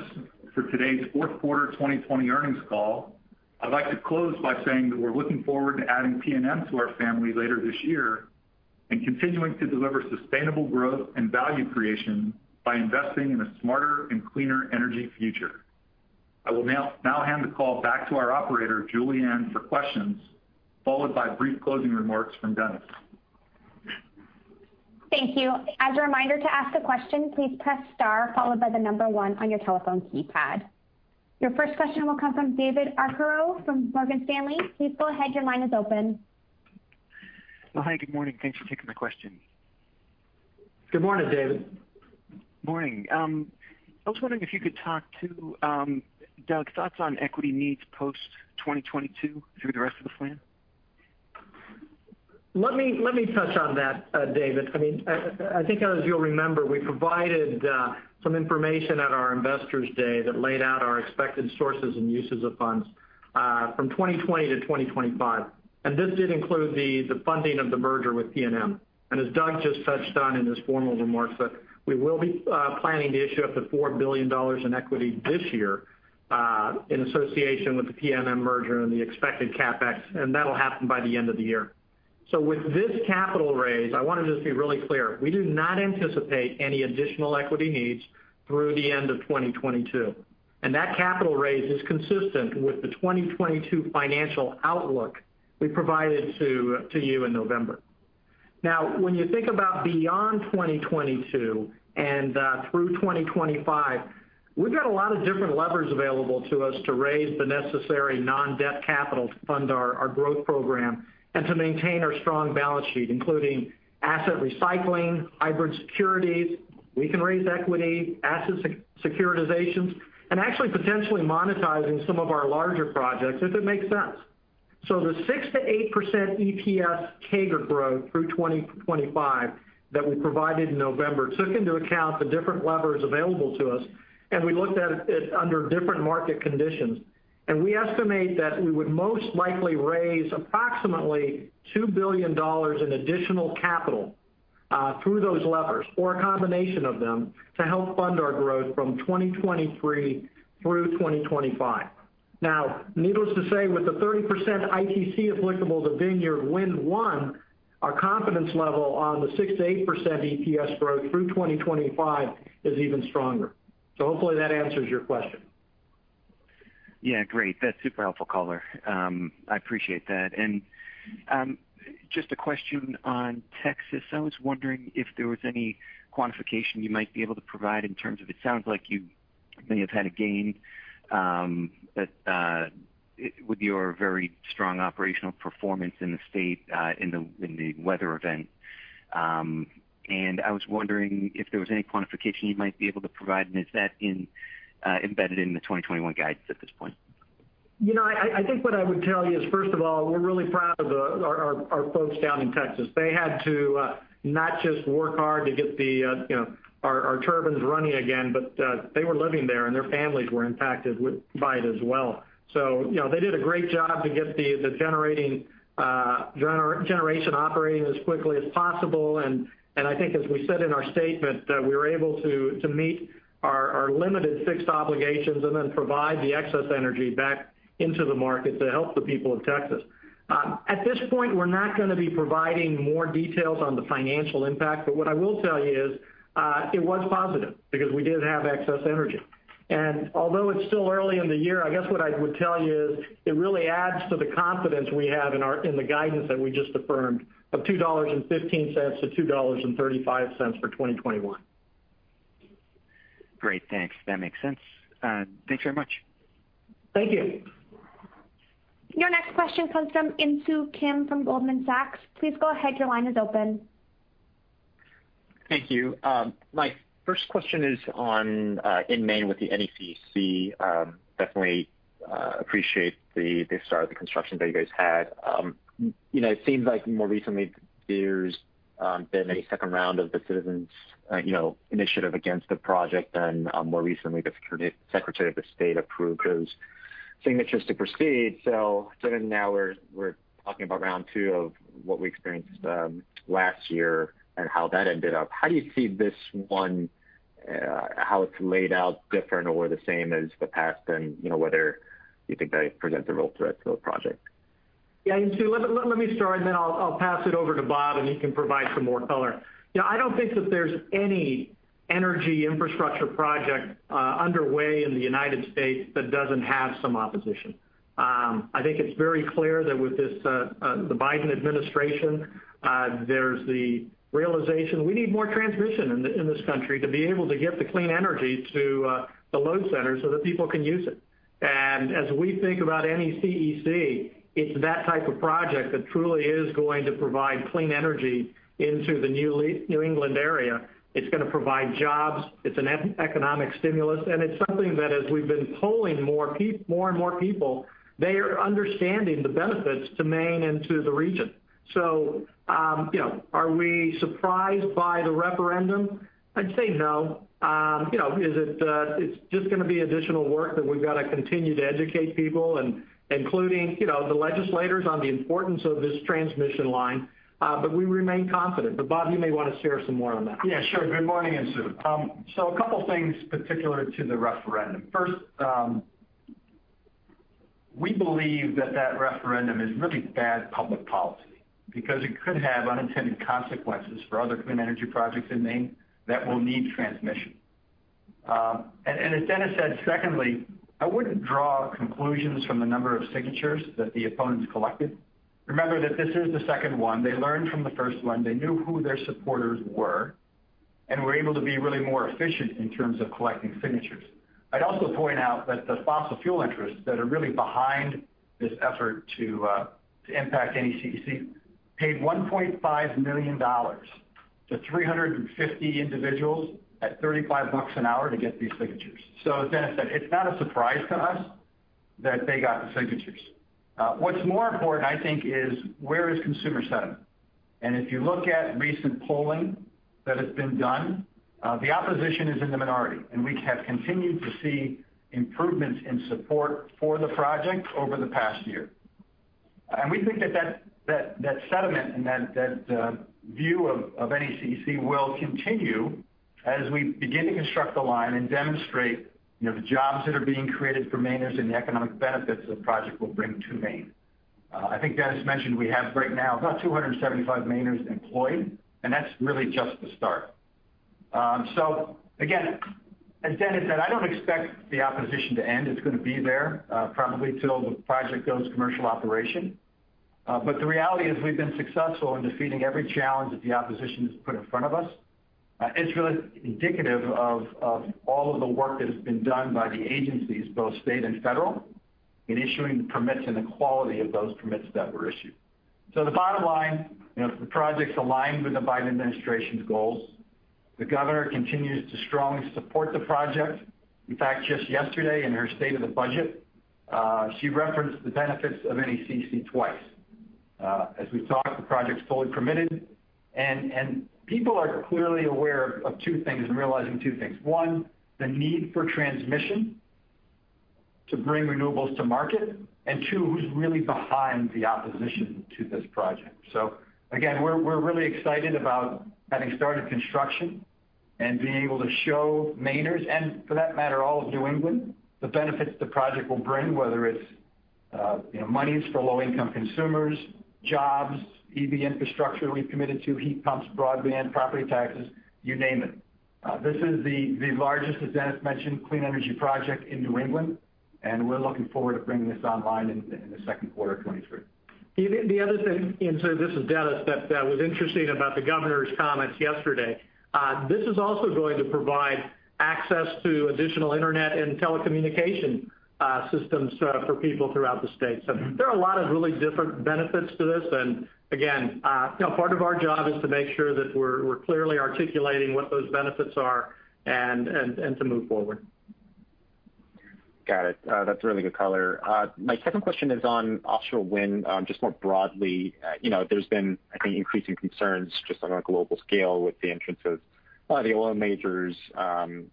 for today's fourth quarter 2020 earnings call. I'd like to close by saying that we're looking forward to adding PNM to our family later this year and continuing to deliver sustainable growth and value creation by investing in a smarter and cleaner energy future. I will now hand the call back to our operator, Julianne, for questions, followed by brief closing remarks from Dennis. Thank you. As a reminder, to ask a question, please press star followed by the number one on your telephone keypad. Your first question will come from David Arcaro from Morgan Stanley. Please go ahead. Your line is open. Well, hi. Good morning. Thanks for taking my question. Good morning, David. Morning. I was wondering if you could talk to, Doug, thoughts on equity needs post 2022 through the rest of the plan? Let me touch on that, David. I think as you'll remember, we provided some information at our Investors Day that laid out our expected sources and uses of funds from 2020 to 2025, and this did include the funding of the merger with PNM. As Doug just touched on in his formal remarks, that we will be planning to issue up to $4 billion in equity this year, in association with the PNM merger and the expected CapEx, and that'll happen by the end of the year. With this capital raise, I want to just be really clear. We do not anticipate any additional equity needs through the end of 2022. That capital raise is consistent with the 2022 financial outlook we provided to you in November. When you think about beyond 2022 and through 2025, we've got a lot of different levers available to us to raise the necessary non-debt capital to fund our growth program and to maintain our strong balance sheet, including asset recycling, hybrid securities. We can raise equity, asset securitizations, and actually potentially monetizing some of our larger projects if it makes sense. The 6%-8% EPS CAGR growth through 2025 that we provided in November took into account the different levers available to us, and we looked at it under different market conditions. We estimate that we would most likely raise approximately $2 billion in additional capital through those levers, or a combination of them, to help fund our growth from 2023 through 2025. Now, needless to say, with the 30% ITC applicable to Vineyard Wind 1, our confidence level on the 6%-8% EPS growth through 2025 is even stronger. Hopefully that answers your question. Yeah, great. That's super helpful color. I appreciate that. Just a question on Texas. I was wondering if there was any quantification you might be able to provide in terms of, it sounds like you may have had a gain with your very strong operational performance in the state in the weather event. I was wondering if there was any quantification you might be able to provide, and is that embedded in the 2021 guidance at this point? I think what I would tell you is, first of all, we're really proud of our folks down in Texas. They had to not just work hard to get our turbines running again, but they were living there, and their families were impacted by it as well. They did a great job to get the generation operating as quickly as possible, and I think as we said in our statement, we were able to meet our limited fixed obligations and then provide the excess energy back into the market to help the people of Texas. At this point, we're not going to be providing more details on the financial impact. What I will tell you is, it was positive because we did have excess energy. Although it's still early in the year, I guess what I would tell you is it really adds to the confidence we have in the guidance that we just affirmed of $2.15-$2.35 for 2021. Great. Thanks. That makes sense. Thanks very much. Thank you. Your next question comes from Insoo Kim from Goldman Sachs. Please go ahead. Your line is open. Thank you. My first question is in Maine with the NECEC. Definitely appreciate the start of the construction that you guys had. It seems like more recently there's been a second round of the citizens' initiative against the project, and more recently, the Secretary of State approved those signatures to proceed. Given now we're talking about round two of what we experienced last year and how that ended up, how do you see this one, how it's laid out different or the same as the past, and whether you think that it presents a real threat to the project? Yeah, Insoo, let me start, and then I'll pass it over to Bob, and he can provide some more color. I don't think that there's any energy infrastructure project underway in the United States that doesn't have some opposition. I think it's very clear that with the Biden administration, there's the realization we need more transmission in this country to be able to get the clean energy to the load centers so that people can use it. As we think about NECEC, it's that type of project that truly is going to provide clean energy into the New England area. It's going to provide jobs, it's an economic stimulus, and it's something that as we've been polling more and more people, they are understanding the benefits to Maine and to the region. Are we surprised by the referendum? I'd say no. It's just going to be additional work that we've got to continue to educate people and including the legislators on the importance of this transmission line, but we remain confident. Bob, you may want to share some more on that. Yeah, sure. Good morning, Insoo. A couple things particular to the referendum. First, we believe that that referendum is really bad public policy because it could have unintended consequences for other clean energy projects in Maine that will need transmission. As Dennis said, secondly, I wouldn't draw conclusions from the number of signatures that the opponents collected. Remember that this is the second one. They learned from the first one. They knew who their supporters were and were able to be really more efficient in terms of collecting signatures. I'd also point out that the fossil fuel interests that are really behind this effort to impact NECEC paid $1.5 million to 350 individuals at 35 bucks an hour to get these signatures. As Dennis said, it's not a surprise to us that they got the signatures. What's more important, I think, is where is consumer sentiment? If you look at recent polling that has been done, the opposition is in the minority, and we have continued to see improvements in support for the project over the past year. We think that sentiment and that view of NECEC will continue as we begin to construct the line and demonstrate the jobs that are being created for Mainers and the economic benefits the project will bring to Maine. I think Dennis mentioned we have right now about 275 Mainers employed, and that's really just the start. Again, as Dennis said, I don't expect the opposition to end. It's going to be there probably till the project goes commercial operation. The reality is we've been successful in defeating every challenge that the opposition has put in front of us. It's really indicative of all of the work that has been done by the agencies, both state and federal, in issuing the permits and the quality of those permits that were issued. The bottom line, the project's aligned with the Biden administration's goals. The governor continues to strongly support the project. In fact, just yesterday in her State of the Budget, she referenced the benefits of NECEC twice. As we've talked, the project's fully permitted, and people are clearly aware of two things and realizing two things. One, the need for transmission to bring renewables to market, and two, who's really behind the opposition to this project. Again, we're really excited about having started construction and being able to show Mainers, and for that matter, all of New England, the benefits the project will bring, whether it's monies for low-income consumers, jobs, EV infrastructure we've committed to, heat pumps, broadband, property taxes, you name it. This is the largest, as Dennis mentioned, clean energy project in New England, and we're looking forward to bringing this online in the second quarter of 2023. The other thing, Insoo this is Dennis, that was interesting about the governor's comments yesterday. This is also going to provide access to additional internet and telecommunication systems for people throughout the state. There are a lot of really different benefits to this, and again, part of our job is to make sure that we're clearly articulating what those benefits are and to move forward. Got it. That's really good color. My second question is on offshore wind, just more broadly. There's been, I think, increasing concerns just on a global scale with the entrance of a lot of the oil majors, and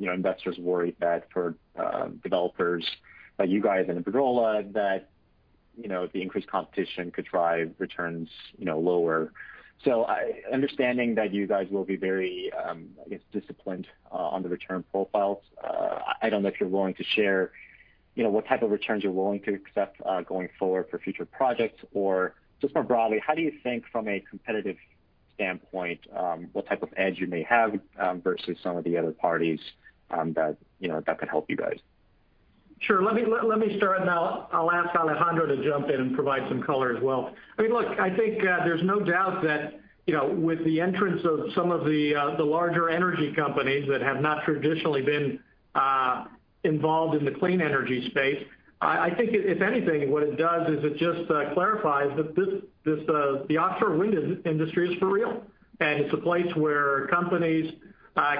investors worried that for developers like you guys and Iberdrola, that the increased competition could drive returns lower. Understanding that you guys will be very, I guess, disciplined on the return profiles, I don't know if you're willing to share what type of returns you're willing to accept going forward for future projects, or just more broadly, how do you think from a competitive standpoint, what type of edge you may have, versus some of the other parties that could help you guys? Sure. Let me start, and then I'll ask Alejandro to jump in and provide some color as well. I mean, look, I think there's no doubt that with the entrance of some of the larger energy companies that have not traditionally been involved in the clean energy space, I think if anything, what it does is it just clarifies that the offshore wind industry is for real, and it's a place where companies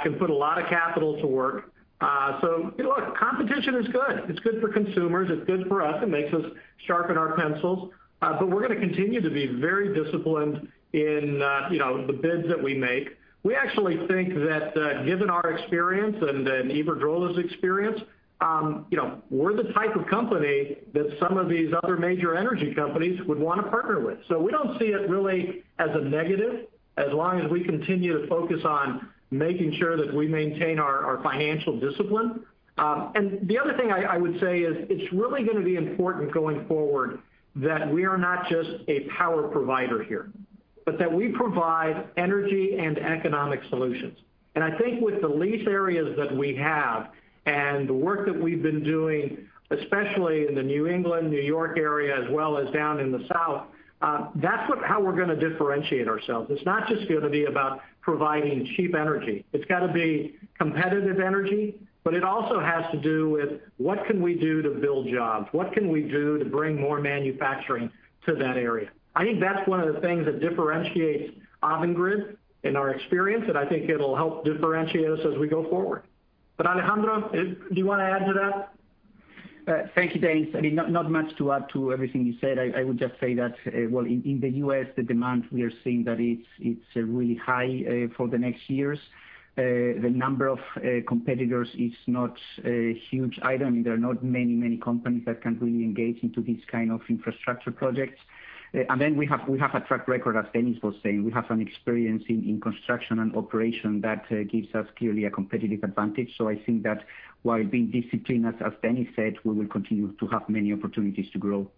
can put a lot of capital to work. Look, competition is good. It's good for consumers. It's good for us. It makes us sharpen our pencils. We're going to continue to be very disciplined in the bids that we make. We actually think that given our experience and Iberdrola's experience, we're the type of company that some of these other major energy companies would want to partner with. We don't see it really as a negative as long as we continue to focus on making sure that we maintain our financial discipline. The other thing I would say is it's really going to be important going forward that we are not just a power provider here, but that we provide energy and economic solutions. I think with the lease areas that we have and the work that we've been doing, especially in the New England, New York area, as well as down in the South, that's how we're going to differentiate ourselves. It's not just going to be about providing cheap energy. It's got to be competitive energy, but it also has to do with what can we do to build jobs? What can we do to bring more manufacturing to that area? I think that's one of the things that differentiates Avangrid in our experience, and I think it'll help differentiate us as we go forward. Alejandro, do you want to add to that? Thank you, Dennis. I mean, not much to add to everything you said. I would just say that, well, in the U.S., the demand we are seeing that it's really high for the next years. The number of competitors is not a huge item. There are not many companies that can really engage into these kind of infrastructure projects. We have a track record, as Dennis was saying. We have an experience in construction and operation that gives us clearly a competitive advantage. I think that while being disciplined, as Dennis said, we will continue to have many opportunities to grow.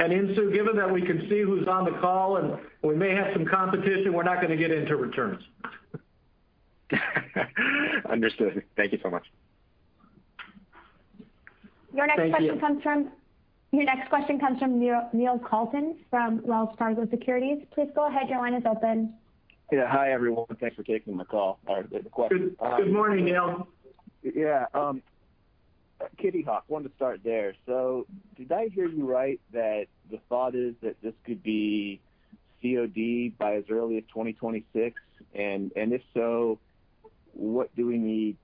Insoo, given that we can see who's on the call, and we may have some competition, we're not going to get into returns. Understood. Thank you so much. Thank you. Your next question comes from Neil Kalton from Wells Fargo Securities. Please go ahead. Your line is open. Yeah. Hi, everyone. Thanks for taking my call or the question. Good morning, Neil. Yeah. Kitty Hawk, wanted to start there. Did I hear you right that the thought is that this could be COD by as early as 2026? If so, what do we need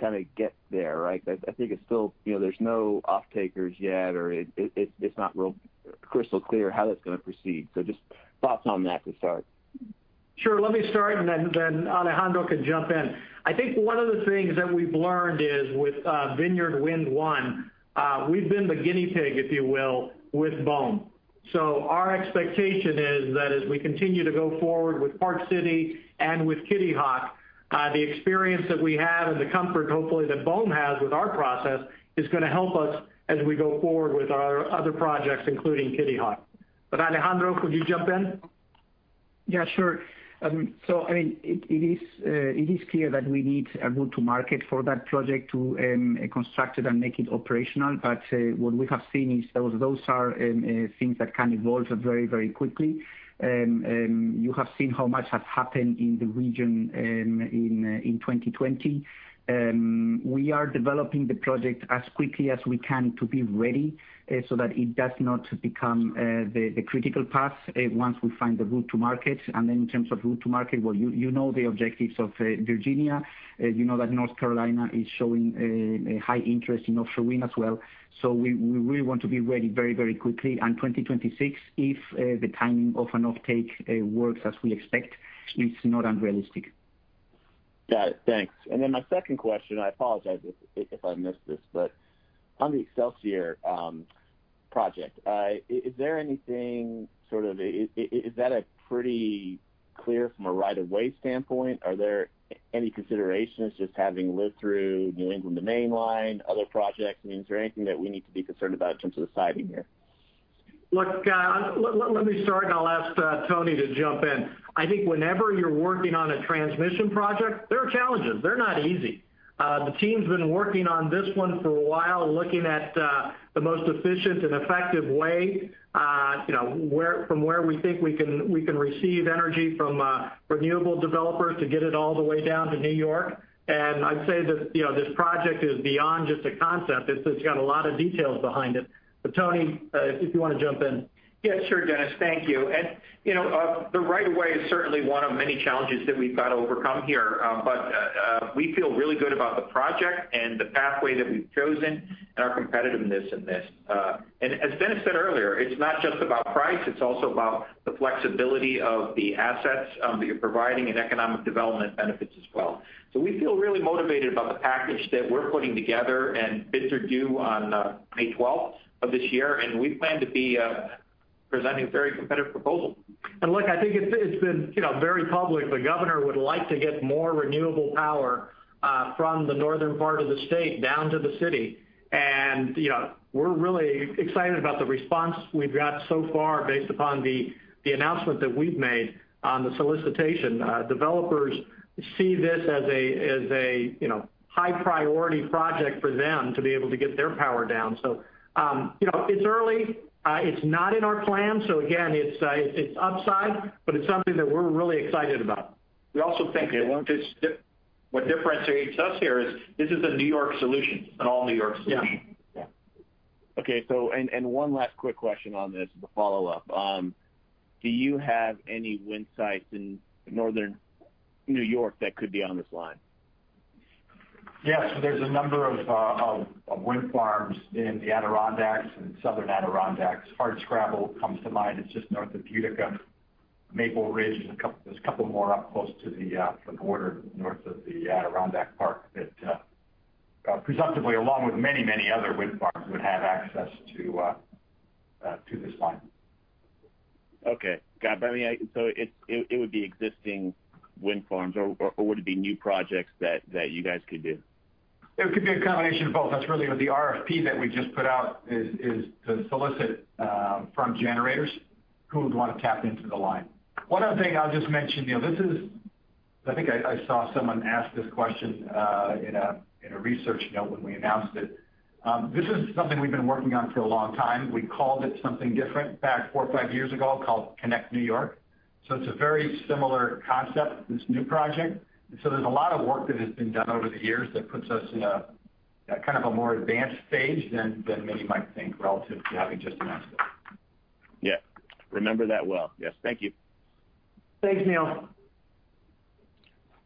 to get there, right? I think it's still there's no off-takers yet, or it's not real crystal clear how that's going to proceed. Just thoughts on that to start. Sure. Let me start. Alejandro can jump in. I think one of the things that we've learned is with Vineyard Wind 1, we've been the guinea pig, if you will, with BOEM. Our expectation is that as we continue to go forward with Park City and with Kitty Hawk, the experience that we have and the comfort, hopefully, that BOEM has with our process is going to help us as we go forward with our other projects, including Kitty Hawk. Alejandro, could you jump in? Yeah, sure. It is clear that we need a route to market for that project to construct it and make it operational. What we have seen is those are things that can evolve very quickly. You have seen how much has happened in the region in 2020. We are developing the project as quickly as we can to be ready, so that it does not become the critical path once we find the route to market. In terms of route to market, well, you know the objectives of Virginia. You know that North Carolina is showing a high interest in offshore wind as well. We really want to be ready very quickly in 2026, if the timing of an offtake works as we expect, it's not unrealistic. Got it. Thanks. My second question, I apologize if I missed this, but on the Excelsior Project, is that pretty clear from a right-of-way standpoint? Are there any considerations, just having lived through New England, the Maine line, other projects, I mean, is there anything that we need to be concerned about in terms of the siting here? Let me start, and I'll ask Tony to jump in. I think whenever you're working on a transmission project, there are challenges. They're not easy. The team's been working on this one for a while, looking at the most efficient and effective way from where we think we can receive energy from renewable developers to get it all the way down to New York. I'd say that this project is beyond just a concept. It's got a lot of details behind it. Tony, if you want to jump in. Yeah, sure, Dennis. Thank you. The right of way is certainly one of many challenges that we've got to overcome here. We feel really good about the project and the pathway that we've chosen and our competitiveness in this. As Dennis said earlier, it's not just about price, it's also about the flexibility of the assets that you're providing and economic development benefits as well. We feel really motivated about the package that we're putting together. Bids are due on May 12th of this year, and we plan to be presenting a very competitive proposal. Look, I think it's been very public. The governor would like to get more renewable power from the northern part of the state down to the city. We're really excited about the response we've got so far based upon the announcement that we've made on the solicitation. Developers see this as a high-priority project for them to be able to get their power down. It's early. It's not in our plan, so again, it's upside, but it's something that we're really excited about. We also think what differentiates us here is this is a New York solution. It's an all-New York solution. Yeah. Okay. One last quick question on this as a follow-up. Do you have any wind sites in Northern New York that could be on this line? Yes. There's a number of wind farms in the Adirondacks and Southern Adirondacks. Hardscrabble comes to mind. It's just north of Utica. Maple Ridge. There's a couple more up close to the border, north of the Adirondack Park that, presumably, along with many other wind farms, would have access to this line. Okay. Got it. It would be existing wind farms, or would it be new projects that you guys could do? It could be a combination of both. That's really what the RFP that we just put out is to solicit from generators who would want to tap into the line. One other thing I'll just mention, Neil. I think I saw someone ask this question in a research note when we announced it. This is something we've been working on for a long time. We called it something different back four or five years ago, called Connect New York. It's a very similar concept, this new project. There's a lot of work that has been done over the years that puts us in a more advanced stage than many might think relative to having just announced it. Yeah. Remember that well. Yes. Thank you. Thanks, Neil.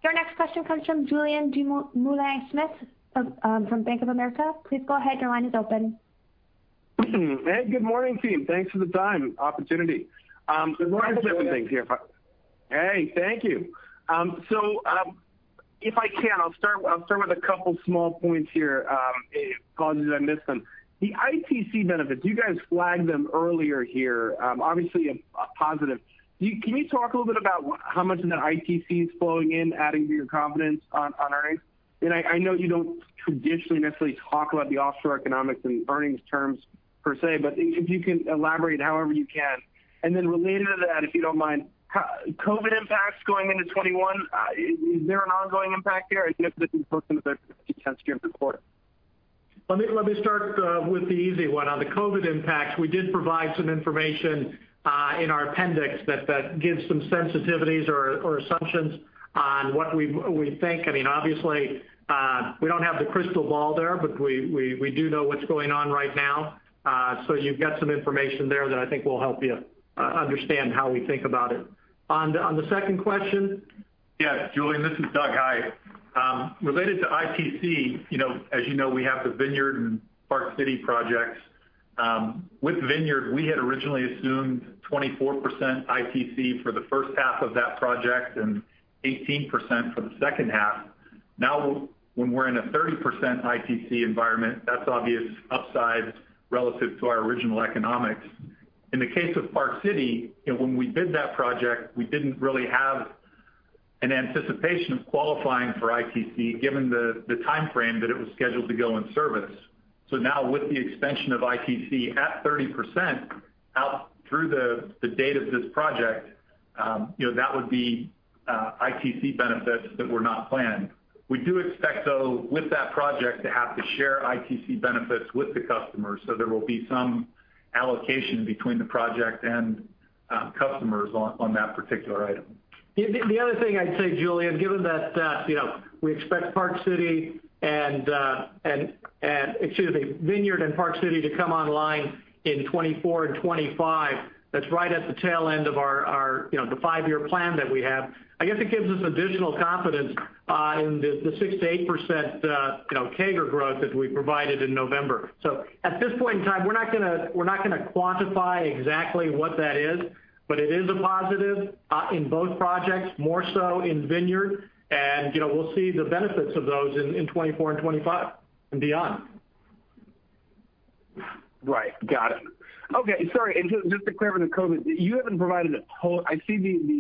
Your next question comes from Julien Dumoulin-Smith from Bank of America. Please go ahead. Your line is open. Hey, good morning, team. Thanks for the time opportunity. Good morning. There's lots of different things here. Hey, thank you. If I can, I'll start with a couple small points here, apologies I missed them. The ITC benefits, you guys flagged them earlier here. Obviously a positive. Can you talk a little bit about how much of the ITC is flowing in, adding to your confidence on earnings? I know you don't traditionally necessarily talk about the offshore economics in earnings terms per se, but if you can elaborate however you can. Related to that, if you don't mind, COVID impacts going into 2021, is there an ongoing impact there? I guess this is pursuant to the Q4. Let me start with the easy one. On the COVID impacts, we did provide some information in our appendix that gives some sensitivities or assumptions on what we think. Obviously, we don't have the crystal ball there, but we do know what's going on right now. You've got some information there that I think will help you understand how we think about it. On the second question. Yes, Julien, this is Doug. Hi. Related to ITC, as you know, we have the Vineyard and Park City projects. With Vineyard, we had originally assumed 24% ITC for the first half of that project and 18% for the second half. When we're in a 30% ITC environment, that's obvious upside relative to our original economics. In the case of Park City, when we bid that project, we didn't really have an anticipation of qualifying for ITC given the timeframe that it was scheduled to go in service. Now with the extension of ITC at 30% out through the date of this project, that would be ITC benefits that were not planned. We do expect, though, with that project to have to share ITC benefits with the customers. There will be some allocation between the project and customers on that particular item. The other thing I'd say, Julien, given that we expect Vineyard and Park City Wind to come online in 2024 and 2025, that's right at the tail end of the five-year plan that we have. I guess it gives us additional confidence in the 6%-8% CAGR growth that we provided in November. At this point in time, we're not going to quantify exactly what that is, but it is a positive in both projects, more so in Vineyard, and we'll see the benefits of those in 2024 and 2025 and beyond. Right. Got it. Okay. Sorry. Just to be clear on the COVID, I see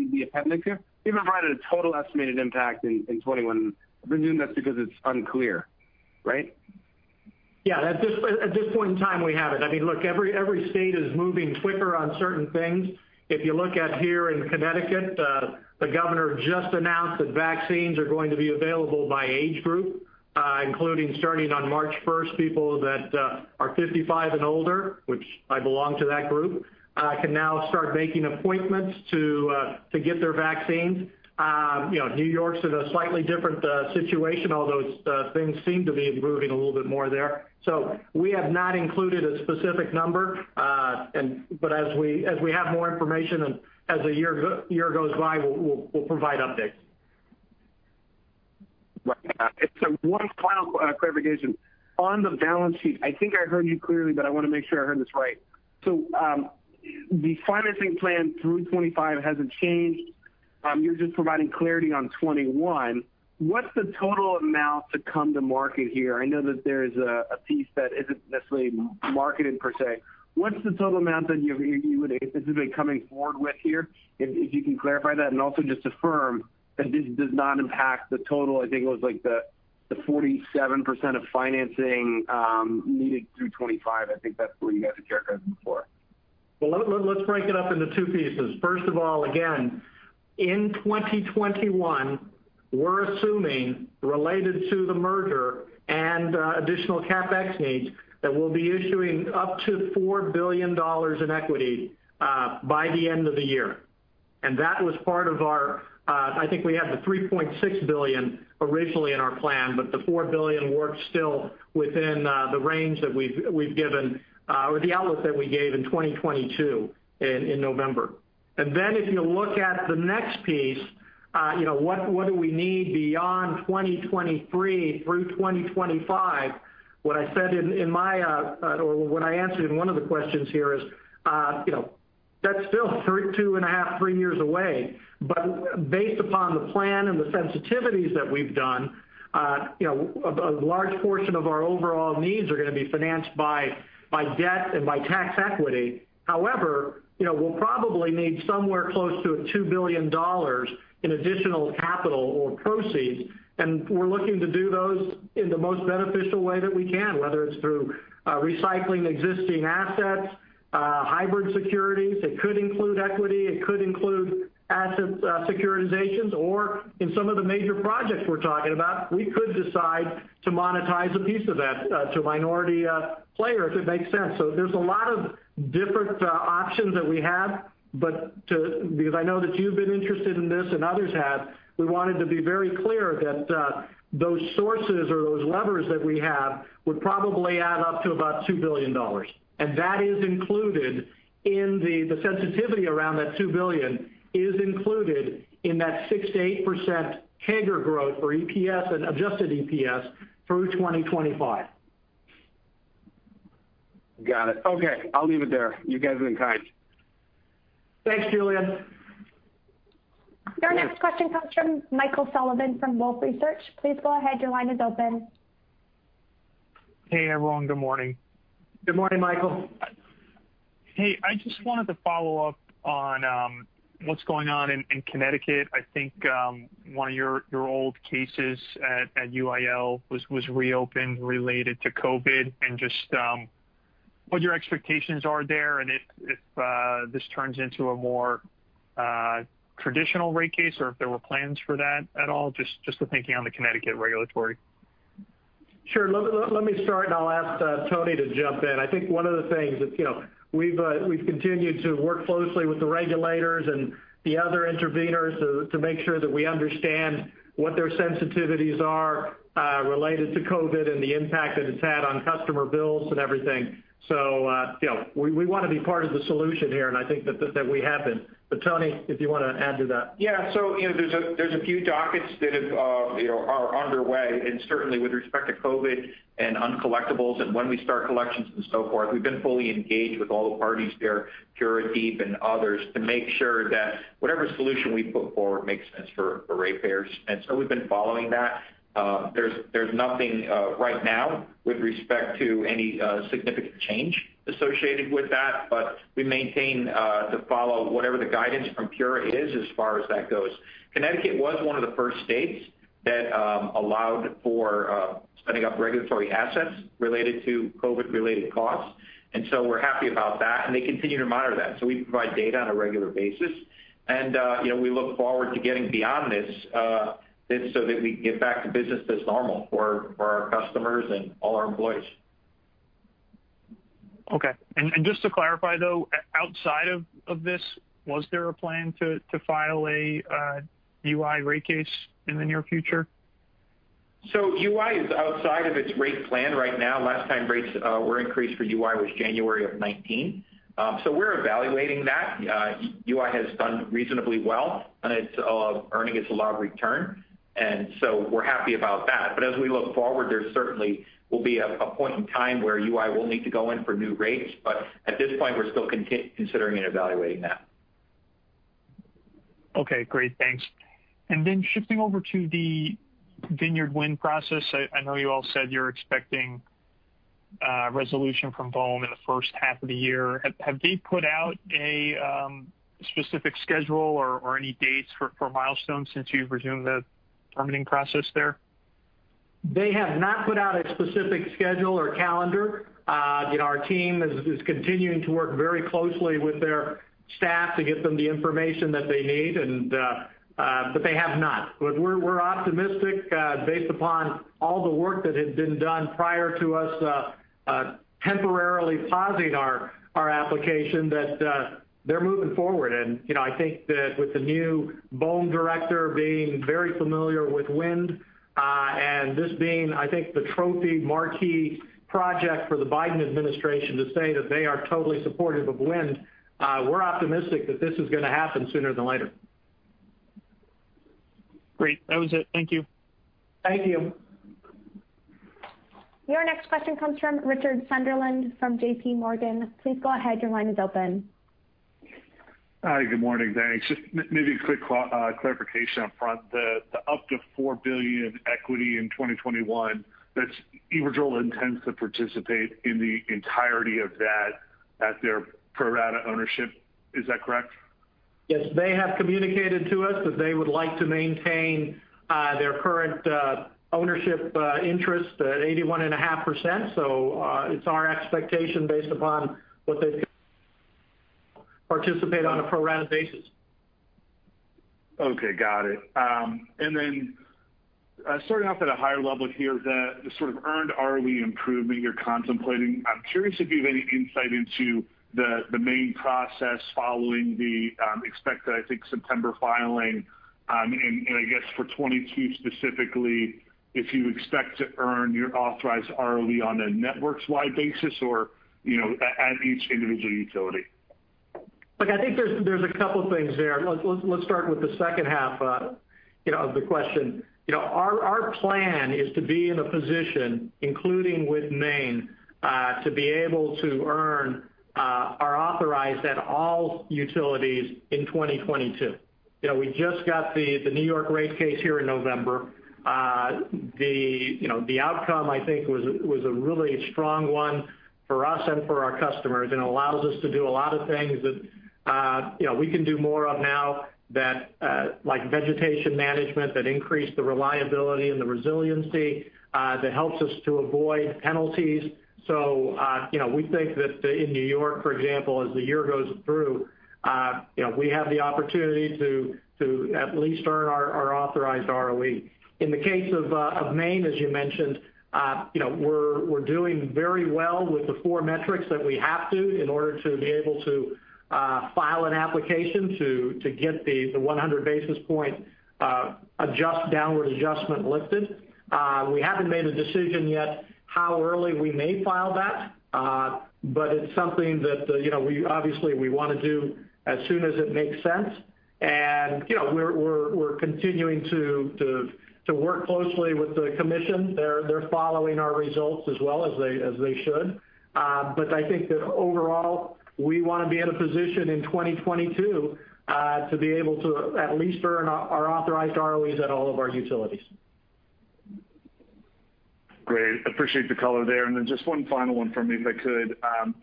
the appendix here. You haven't provided a total estimated impact in 2021. I presume that's because it's unclear, right? Yeah. At this point in time, we haven't. Look, every state is moving quicker on certain things. If you look at here in Connecticut, the governor just announced that vaccines are going to be available by age group, including starting on March 1st, people that are 55 and older, which I belong to that group, can now start making appointments to get their vaccines. New York's in a slightly different situation, although things seem to be improving a little bit more there. We have not included a specific number. As we have more information and as the year goes by, we'll provide updates. Right. One final clarification. On the balance sheet, I think I heard you clearly, but I want to make sure I heard this right. The financing plan through 2025 hasn't changed. You're just providing clarity on 2021. What's the total amount to come to market here? I know that there's a piece that isn't necessarily marketed per se. What's the total amount that you would essentially be coming forward with here? If you can clarify that and also just affirm that this does not impact the total, I think it was the 47% of financing needed through 2025. I think that's what you guys had characterized before. Well, let's break it up into two pieces. First of all, again, in 2021, we're assuming, related to the merger and additional CapEx needs, that we'll be issuing up to $4 billion in equity by the end of the year. That was part of, I think we had the $3.6 billion originally in our plan, but the $4 billion works still within the range that we've given, or the outlook that we gave in 2022 in November. If you look at the next piece, what do we need beyond 2023 through 2025? What I answered in one of the questions here is, that's still two and a half, three years away. Based upon the plan and the sensitivities that we've done, a large portion of our overall needs are going to be financed by debt and by tax equity. However, we'll probably need somewhere close to $2 billion in additional capital or proceeds. We're looking to do those in the most beneficial way that we can, whether it's through recycling existing assets, hybrid securities. It could include equity, it could include asset securitizations, or in some of the major projects we're talking about, we could decide to monetize a piece of that to a minority player if it makes sense. There's a lot of different options that we have, but because I know that you've been interested in this and others have, we wanted to be very clear that those sources or those levers that we have would probably add up to about $2 billion. The sensitivity around that $2 billion is included in that 6%-8% CAGR growth for EPS and adjusted EPS through 2025. Got it. Okay, I'll leave it there. You guys have been kind. Thanks, Julien. Your next question comes from Michael Sullivan from Wolfe Research. Please go ahead, your line is open. Hey, everyone. Good morning. Good morning, Michael. Hey, I just wanted to follow up on what's going on in Connecticut. I think one of your old cases at UIL was reopened related to COVID, and just what your expectations are there and if this turns into a more traditional rate case or if there were plans for that at all, just the thinking on the Connecticut regulatory. Sure. Let me start, and I'll ask Tony to jump in. I think one of the things is we've continued to work closely with the regulators and the other interveners to make sure that we understand what their sensitivities are related to COVID and the impact that it's had on customer bills and everything. We want to be part of the solution here, and I think that we have been. Tony, if you want to add to that. Yeah. There's a few dockets that are underway, and certainly with respect to COVID and uncollectibles and when we start collections and so forth, we've been fully engaged with all the parties there, PURA, DEEP, and others, to make sure that whatever solution we put forward makes sense for ratepayers. We've been following that. There's nothing right now with respect to any significant change associated with that. We maintain to follow whatever the guidance from PURA is as far as that goes. Connecticut was one of the first states that allowed for setting up regulatory assets related to COVID-related costs. We're happy about that, and they continue to monitor that. We provide data on a regular basis. We look forward to getting beyond this, so that we can get back to business as normal for our customers and all our employees. Okay. Just to clarify, though, outside of this, was there a plan to file a UI rate case in the near future? UI is outside of its rate plan right now. Last time rates were increased for UI was January of 2019. We're evaluating that. UI has done reasonably well, and it's earning its allowed return, we're happy about that. As we look forward, there certainly will be a point in time where UI will need to go in for new rates. At this point, we're still considering and evaluating that. Okay, great. Thanks. Shifting over to the Vineyard Wind process, I know you all said you're expecting resolution from BOEM in the first half of the year. Have they put out a specific schedule or any dates for milestones since you've resumed the permitting process there? They have not put out a specific schedule or calendar. Our team is continuing to work very closely with their staff to get them the information that they need, but they have not. We're optimistic, based upon all the work that had been done prior to us temporarily pausing our application, that they're moving forward. I think that with the new BOEM director being very familiar with wind, and this being, I think, the trophy marquee project for the Biden administration to say that they are totally supportive of wind, we're optimistic that this is going to happen sooner than later. Great. That was it. Thank you. Thank you. Your next question comes from Richard Sunderland from JPMorgan. Please go ahead. Your line is open. Hi. Good morning. Thanks. Just maybe a quick clarification up front. The up to $4 billion equity in 2021, but Iberdrola intends to participate in the entirety of that at their pro rata ownership. Is that correct? Yes. They have communicated to us that they would like to maintain their current ownership interest at 81.5%. It's our expectation, based upon what they participate on a pro rata basis. Okay. Got it. Starting off at a higher level here, the sort of earned ROE improvement you're contemplating. I'm curious if you have any insight into the Maine process following the expected, I think, September filing. I guess for 2022 specifically, if you expect to earn your authorized ROE on a network-wide basis or at each individual utility. Look, I think there's a couple things there. Let's start with the second half of the question. Our plan is to be in a position, including with Maine, to be able to earn our authorized at all utilities in 2022. We just got the New York rate case here in November. The outcome, I think, was a really strong one for us and for our customers, and allows us to do a lot of things that we can do more of now, like vegetation management that increase the reliability and the resiliency, that helps us to avoid penalties. We think that in New York, for example, as the year goes through we have the opportunity to at least earn our authorized ROE. In the case of Maine, as you mentioned, we're doing very well with the four metrics that we have to in order to be able to file an application to get the 100 basis point downward adjustment lifted. We haven't made a decision yet how early we may file that. It's something that obviously we want to do as soon as it makes sense. We're continuing to work closely with the commission. They're following our results as well, as they should. I think that overall, we want to be in a position in 2022, to be able to at least earn our authorized ROEs at all of our utilities. Great. Appreciate the color there. Then just one final one from me, if I could.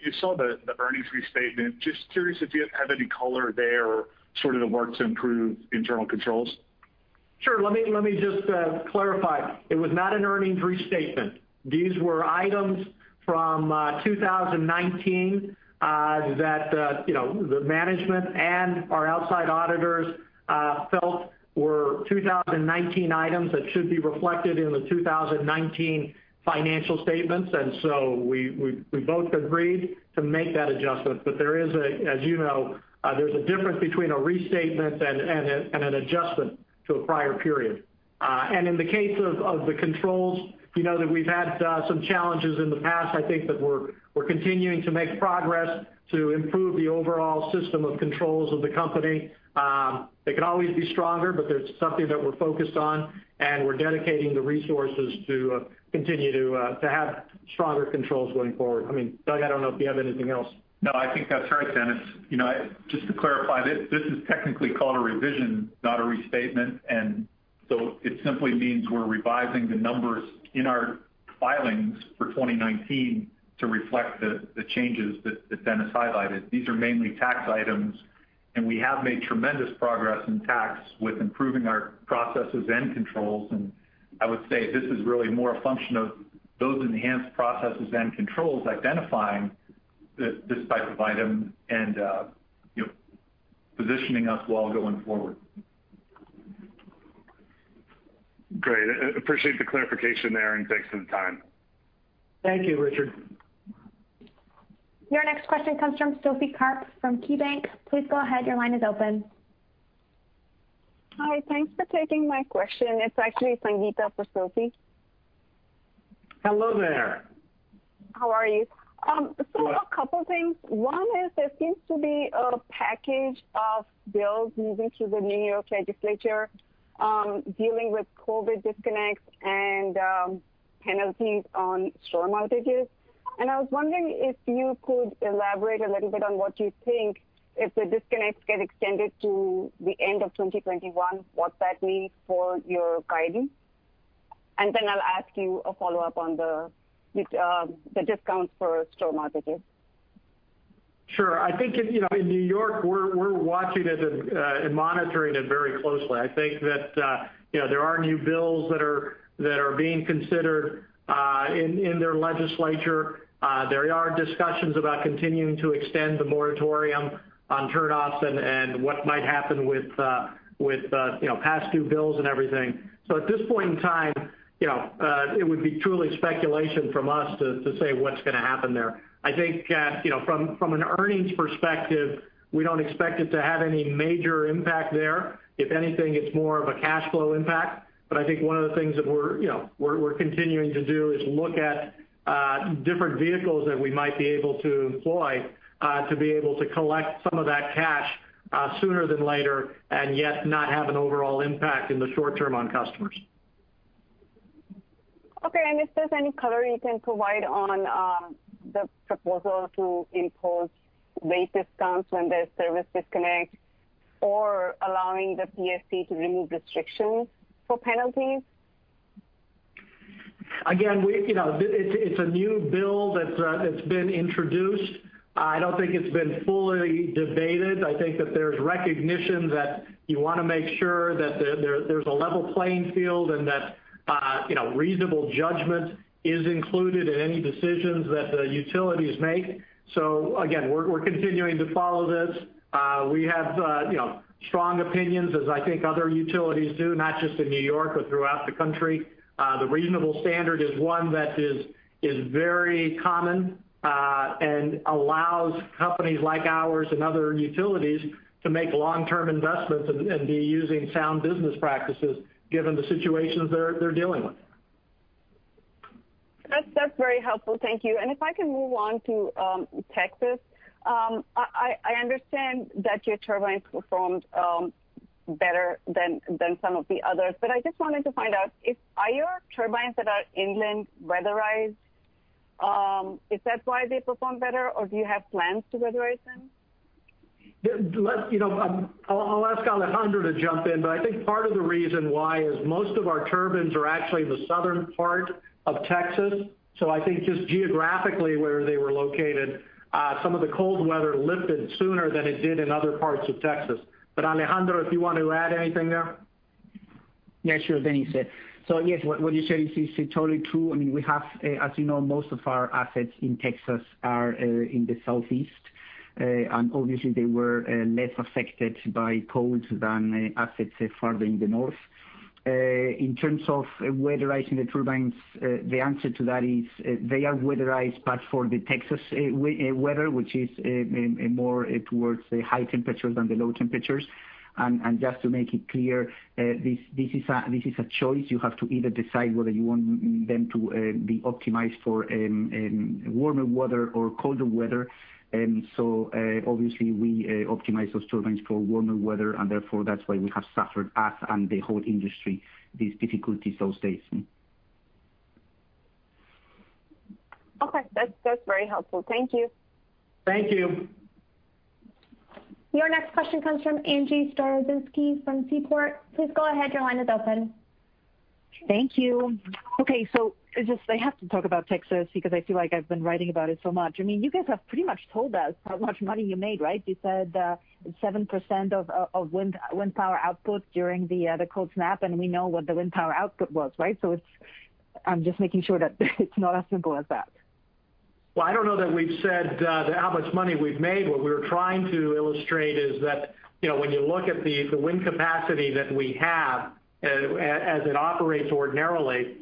You saw the earnings restatement. Just curious if you have any color there or sort of the work to improve internal controls. Sure. Let me just clarify. It was not an earnings restatement. These were items from 2019 that the management and our outside auditors felt were 2019 items that should be reflected in the 2019 financial statements. We both agreed to make that adjustment. There is a, as you know, there's a difference between a restatement and an adjustment to a prior period. In the case of the controls, you know that we've had some challenges in the past. I think that we're continuing to make progress to improve the overall system of controls of the company. They could always be stronger, but that's something that we're focused on, and we're dedicating the resources to continue to have stronger controls going forward. Doug, I don't know if you have anything else. No, I think that's right, Dennis. Just to clarify, this is technically called a revision, not a restatement. It simply means we're revising the numbers in our filings for 2019 to reflect the changes that Dennis highlighted. These are mainly tax items, and we have made tremendous progress in tax with improving our processes and controls. I would say this is really more a function of those enhanced processes and controls identifying this type of item and positioning us well going forward. Great. Appreciate the clarification there, and thanks for the time. Thank you, Richard. Your next question comes from Sophie Karp from KeyBank. Please go ahead. Your line is open. Hi. Thanks for taking my question. It's actually Sangita for Sophie. Hello there. How are you? Good. A couple things. One is there seems to be a package of bills moving through the New York legislature dealing with COVID disconnects and penalties on storm outages. I was wondering if you could elaborate a little bit on what you think if the disconnects get extended to the end of 2021, what that means for your guiding. Then I'll ask you a follow-up on the discounts for storm outages. Sure. I think, in New York, we're watching it and monitoring it very closely. I think that there are new bills that are being considered in their legislature. There are discussions about continuing to extend the moratorium on turn-offs and what might happen with past due bills and everything. At this point in time, it would be truly speculation from us to say what's going to happen there. I think from an earnings perspective, we don't expect it to have any major impact there. If anything, it's more of a cash flow impact. I think one of the things that we're continuing to do is look at different vehicles that we might be able to employ to be able to collect some of that cash sooner than later, and yet not have an overall impact in the short term on customers. Okay. Is there any color you can provide on the proposal to impose rate discounts when there's service disconnect or allowing the PSC to remove restrictions for penalties? It's a new bill that's been introduced. I don't think it's been fully debated. I think that there's recognition that you want to make sure that there's a level playing field and that reasonable judgment is included in any decisions that the utilities make. We're continuing to follow this. We have strong opinions, as I think other utilities do, not just in New York, but throughout the country. The reasonable standard is one that is very common and allows companies like ours and other utilities to make long-term investments and be using sound business practices given the situations they're dealing with. That's very helpful. Thank you. If I can move on to Texas. I understand that your turbines performed better than some of the others, but I just wanted to find out, are your turbines that are inland weatherized? Is that why they perform better, or do you have plans to weatherize them? I'll ask Alejandro to jump in, but I think part of the reason why is most of our turbines are actually the southern part of Texas. I think just geographically where they were located, some of the cold weather lifted sooner than it did in other parts of Texas. Alejandro, if you want to add anything there? Yeah, sure, Dennis. Yes, what you said is totally true. As you know, most of our assets in Texas are in the southeast. Obviously they were less affected by cold than assets farther in the north. In terms of weatherizing the turbines, the answer to that is they are weatherized, but for the Texas weather, which is more towards the high temperatures than the low temperatures. Just to make it clear, this is a choice. You have to either decide whether you want them to be optimized for warmer weather or colder weather. Obviously we optimize those turbines for warmer weather, and therefore, that's why we have suffered, us and the whole industry, these difficulties those days. Okay. That's very helpful. Thank you. Thank you. Your next question comes from Angie Storozynski from Seaport. Please go ahead. Your line is open. Thank you. Okay, I have to talk about Texas because I feel like I've been writing about it so much. You guys have pretty much told us how much money you made, right? You said 7% of wind power output during the cold snap, and we know what the wind power output was. I'm just making sure that it's not as simple as that. I don't know that we've said how much money we've made. What we were trying to illustrate is that when you look at the wind capacity that we have as it operates ordinarily,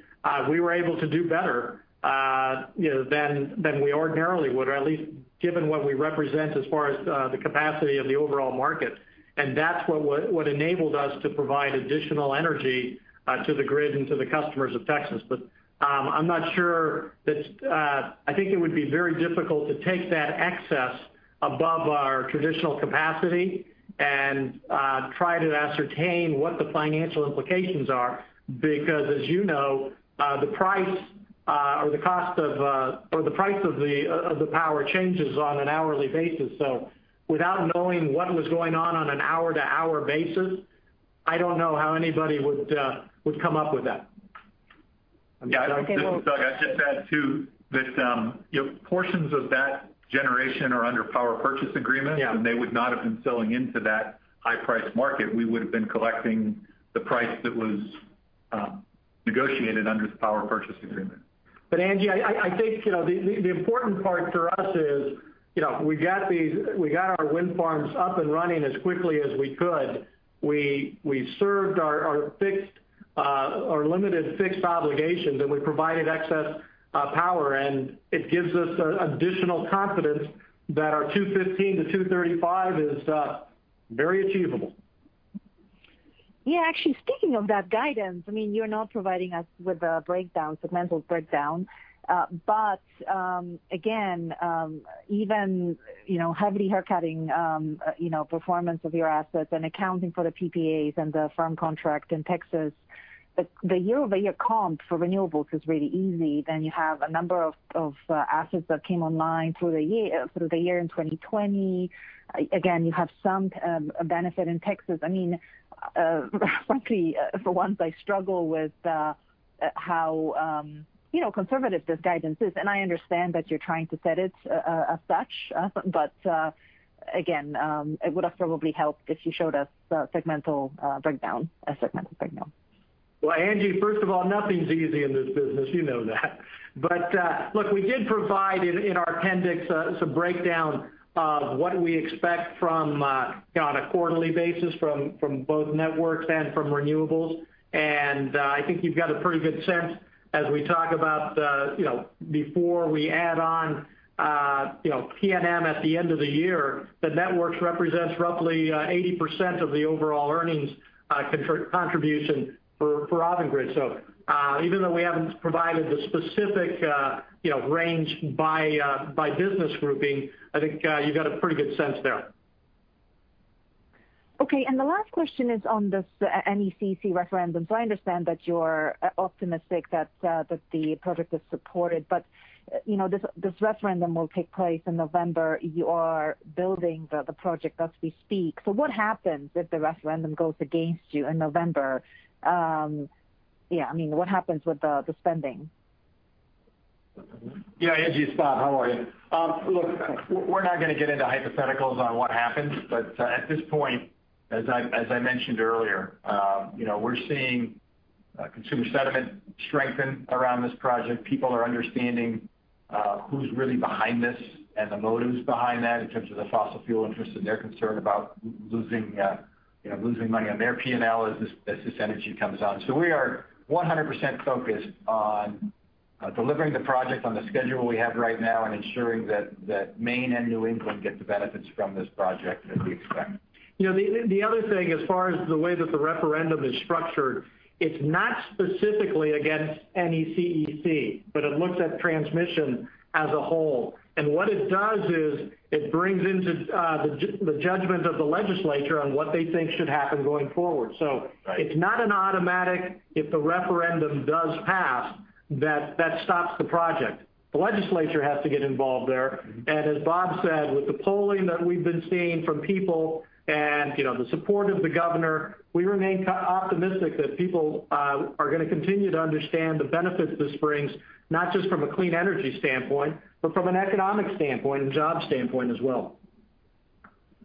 we were able to do better than we ordinarily would, or at least given what we represent as far as the capacity of the overall market. That's what enabled us to provide additional energy to the grid and to the customers of Texas. I think it would be very difficult to take that excess above our traditional capacity and try to ascertain what the financial implications are, because as you know, the price of the power changes on an hourly basis. Without knowing what was going on an hour-to-hour basis, I don't know how anybody would come up with that. Yeah. Angie, I'd just add, too, that portions of that generation are under Power Purchase Agreements. Yeah. They would not have been selling into that high price market. We would've been collecting the price that was negotiated under the Power Purchase Agreement. Angie, I think the important part for us is we got our wind farms up and running as quickly as we could. We served our limited fixed obligations, and we provided excess power, and it gives us additional confidence that our $2.15-$2.35 is very achievable. Yeah. Actually, speaking of that guidance, you're not providing us with a segmental breakdown. Again, even heavily haircutting performance of your assets and accounting for the PPAs and the firm contract in Texas, the year-over-year comp for renewables is really easy. You have a number of assets that came online through the year in 2020. Again, you have some benefit in Texas. Frankly, for once, I struggle with how conservative this guidance is, and I understand that you're trying to set it as such. Again, it would've probably helped if you showed us a segmental breakdown. Well, Angie, first of all, nothing's easy in this business. You know that. Look, we did provide in our appendix some breakdown of what we expect on a quarterly basis from both Networks and from Renewables. I think you've got a pretty good sense as we talk about before we add on PNM at the end of the year, that Networks represents roughly 80% of the overall earnings contribution for Avangrid. Even though we haven't provided the specific range by business grouping, I think you've got a pretty good sense there. Okay, the last question is on this NECEC referendum. I understand that you're optimistic that the project is supported, but this referendum will take place in November. You are building the project as we speak. What happens if the referendum goes against you in November? What happens with the spending? Yeah, Angie, it's Bob. How are you? Look, we're not going to get into hypotheticals on what happens. At this point, as I mentioned earlier, we're seeing consumer sentiment strengthen around this project. People are understanding who's really behind this and the motives behind that in terms of the fossil fuel interests. They're concerned about losing money on their P&L as this energy comes on. We are 100% focused on delivering the project on the schedule we have right now and ensuring that Maine and New England get the benefits from this project that we expect. The other thing, as far as the way that the referendum is structured, it's not specifically against NECEC, but it looks at transmission as a whole. What it does is it brings into the judgment of the legislature on what they think should happen going forward. Right. It's not an automatic, if the referendum does pass, that that stops the project. The legislature has to get involved there. As Bob said, with the polling that we've been seeing from people and the support of the governor, we remain optimistic that people are going to continue to understand the benefits this brings, not just from a clean energy standpoint, but from an economic standpoint and job standpoint as well.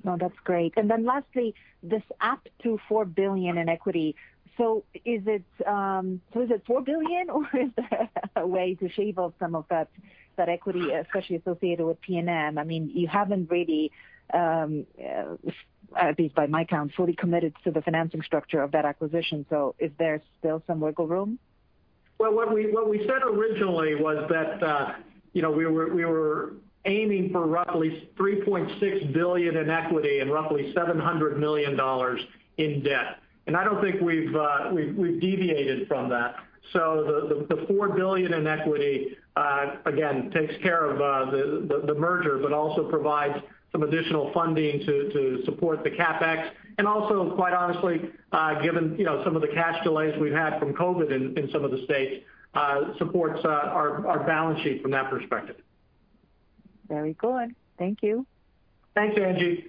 No, that's great. Lastly, this up to $4 billion in equity. Is it $4 billion, or is there a way to shave off some of that equity, especially associated with PNM? You haven't really, at least by my count, fully committed to the financing structure of that acquisition. Is there still some wiggle room? What we said originally was that we were aiming for roughly $3.6 billion in equity and roughly $700 million in debt. I don't think we've deviated from that. The $4 billion in equity, again, takes care of the merger, but also provides some additional funding to support the CapEx, and also, quite honestly, given some of the cash delays we've had from COVID in some of the states, supports our balance sheet from that perspective. Very good. Thank you. Thanks, Angie.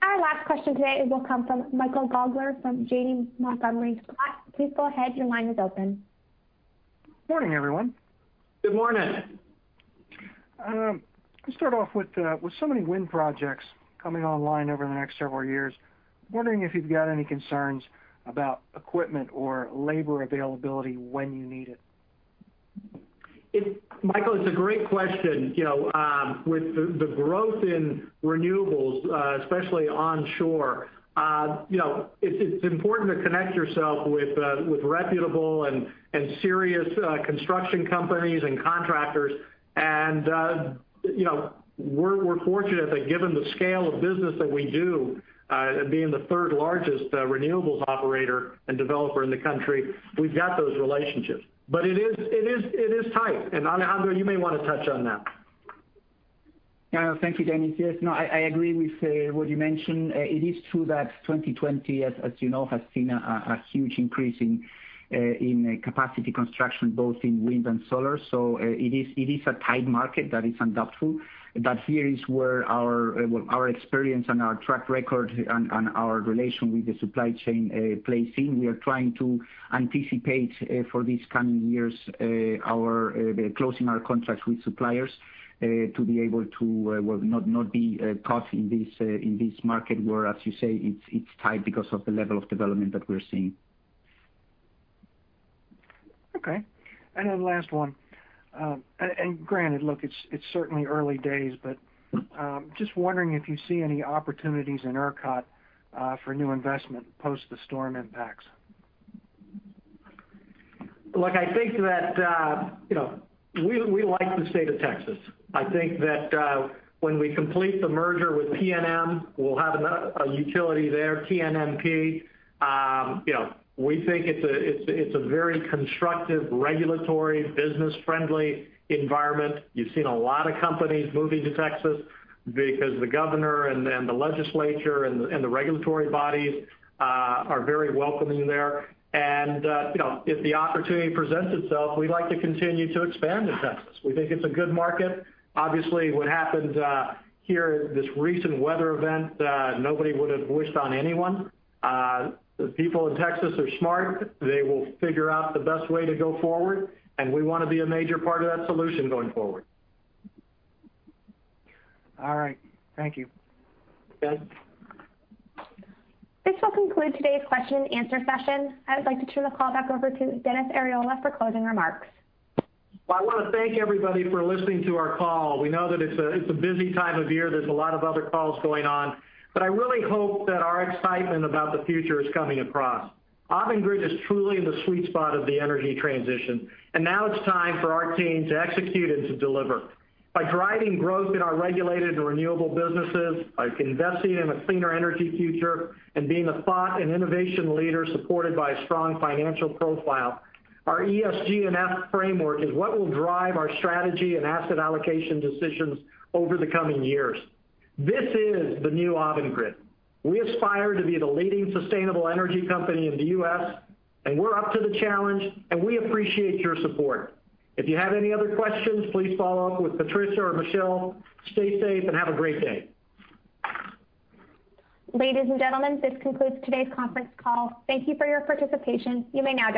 Our last question today will come from Michael Gaugler from Janney Montgomery Scott. Please go ahead. Your line is open. Morning, everyone. Good morning. Let's start off with so many wind projects coming online over the next several years, wondering if you've got any concerns about equipment or labor availability when you need it? Michael, it's a great question. With the growth in renewables, especially onshore, it's important to connect yourself with reputable and serious construction companies and contractors. We're fortunate that given the scale of business that we do, being the third-largest renewables operator and developer in the country, we've got those relationships. It is tight. Alejandro, you may want to touch on that. Thank you, Dennis. Yes, I agree with what you mentioned. It is true that 2020, as you know, has seen a huge increase in capacity construction both in wind and solar. It is a tight market, that is undoubtful. Here is where our experience and our track record and our relation with the supply chain plays in. We are trying to anticipate for these coming years, closing our contracts with suppliers to be able to not be caught in this market where, as you say, it's tight because of the level of development that we're seeing. Okay. Last one. Avangrid, look, it's certainly early days, but just wondering if you see any opportunities in ERCOT for new investment post the storm impacts. Look, I think that we like the state of Texas. I think that when we complete the merger with PNM, we'll have a utility there, TNMP. We think it's a very constructive, regulatory, business-friendly environment. You've seen a lot of companies moving to Texas because the governor and the legislature and the regulatory bodies are very welcoming there. If the opportunity presents itself, we'd like to continue to expand in Texas. We think it's a good market. Obviously, what happened here, this recent weather event, nobody would have wished on anyone. The people in Texas are smart. They will figure out the best way to go forward, and we want to be a major part of that solution going forward. All right. Thank you. You bet. This will conclude today's question-and-answer session. I would like to turn the call back over to Dennis Arriola for closing remarks. Well, I want to thank everybody for listening to our call. We know that it's a busy time of year. There's a lot of other calls going on. I really hope that our excitement about the future is coming across. Avangrid is truly in the sweet spot of the energy transition, and now it's time for our team to execute and to deliver. By driving growth in our regulated and renewable businesses, by investing in a cleaner energy future, and being a thought and innovation leader supported by a strong financial profile, our ESG+F framework is what will drive our strategy and asset allocation decisions over the coming years. This is the new Avangrid. We aspire to be the leading sustainable energy company in the U.S., and we're up to the challenge, and we appreciate your support. If you have any other questions, please follow up with Patricia or Michelle. Stay safe and have a great day. Ladies and gentlemen, this concludes today's conference call. Thank you for your participation. You may now disconnect.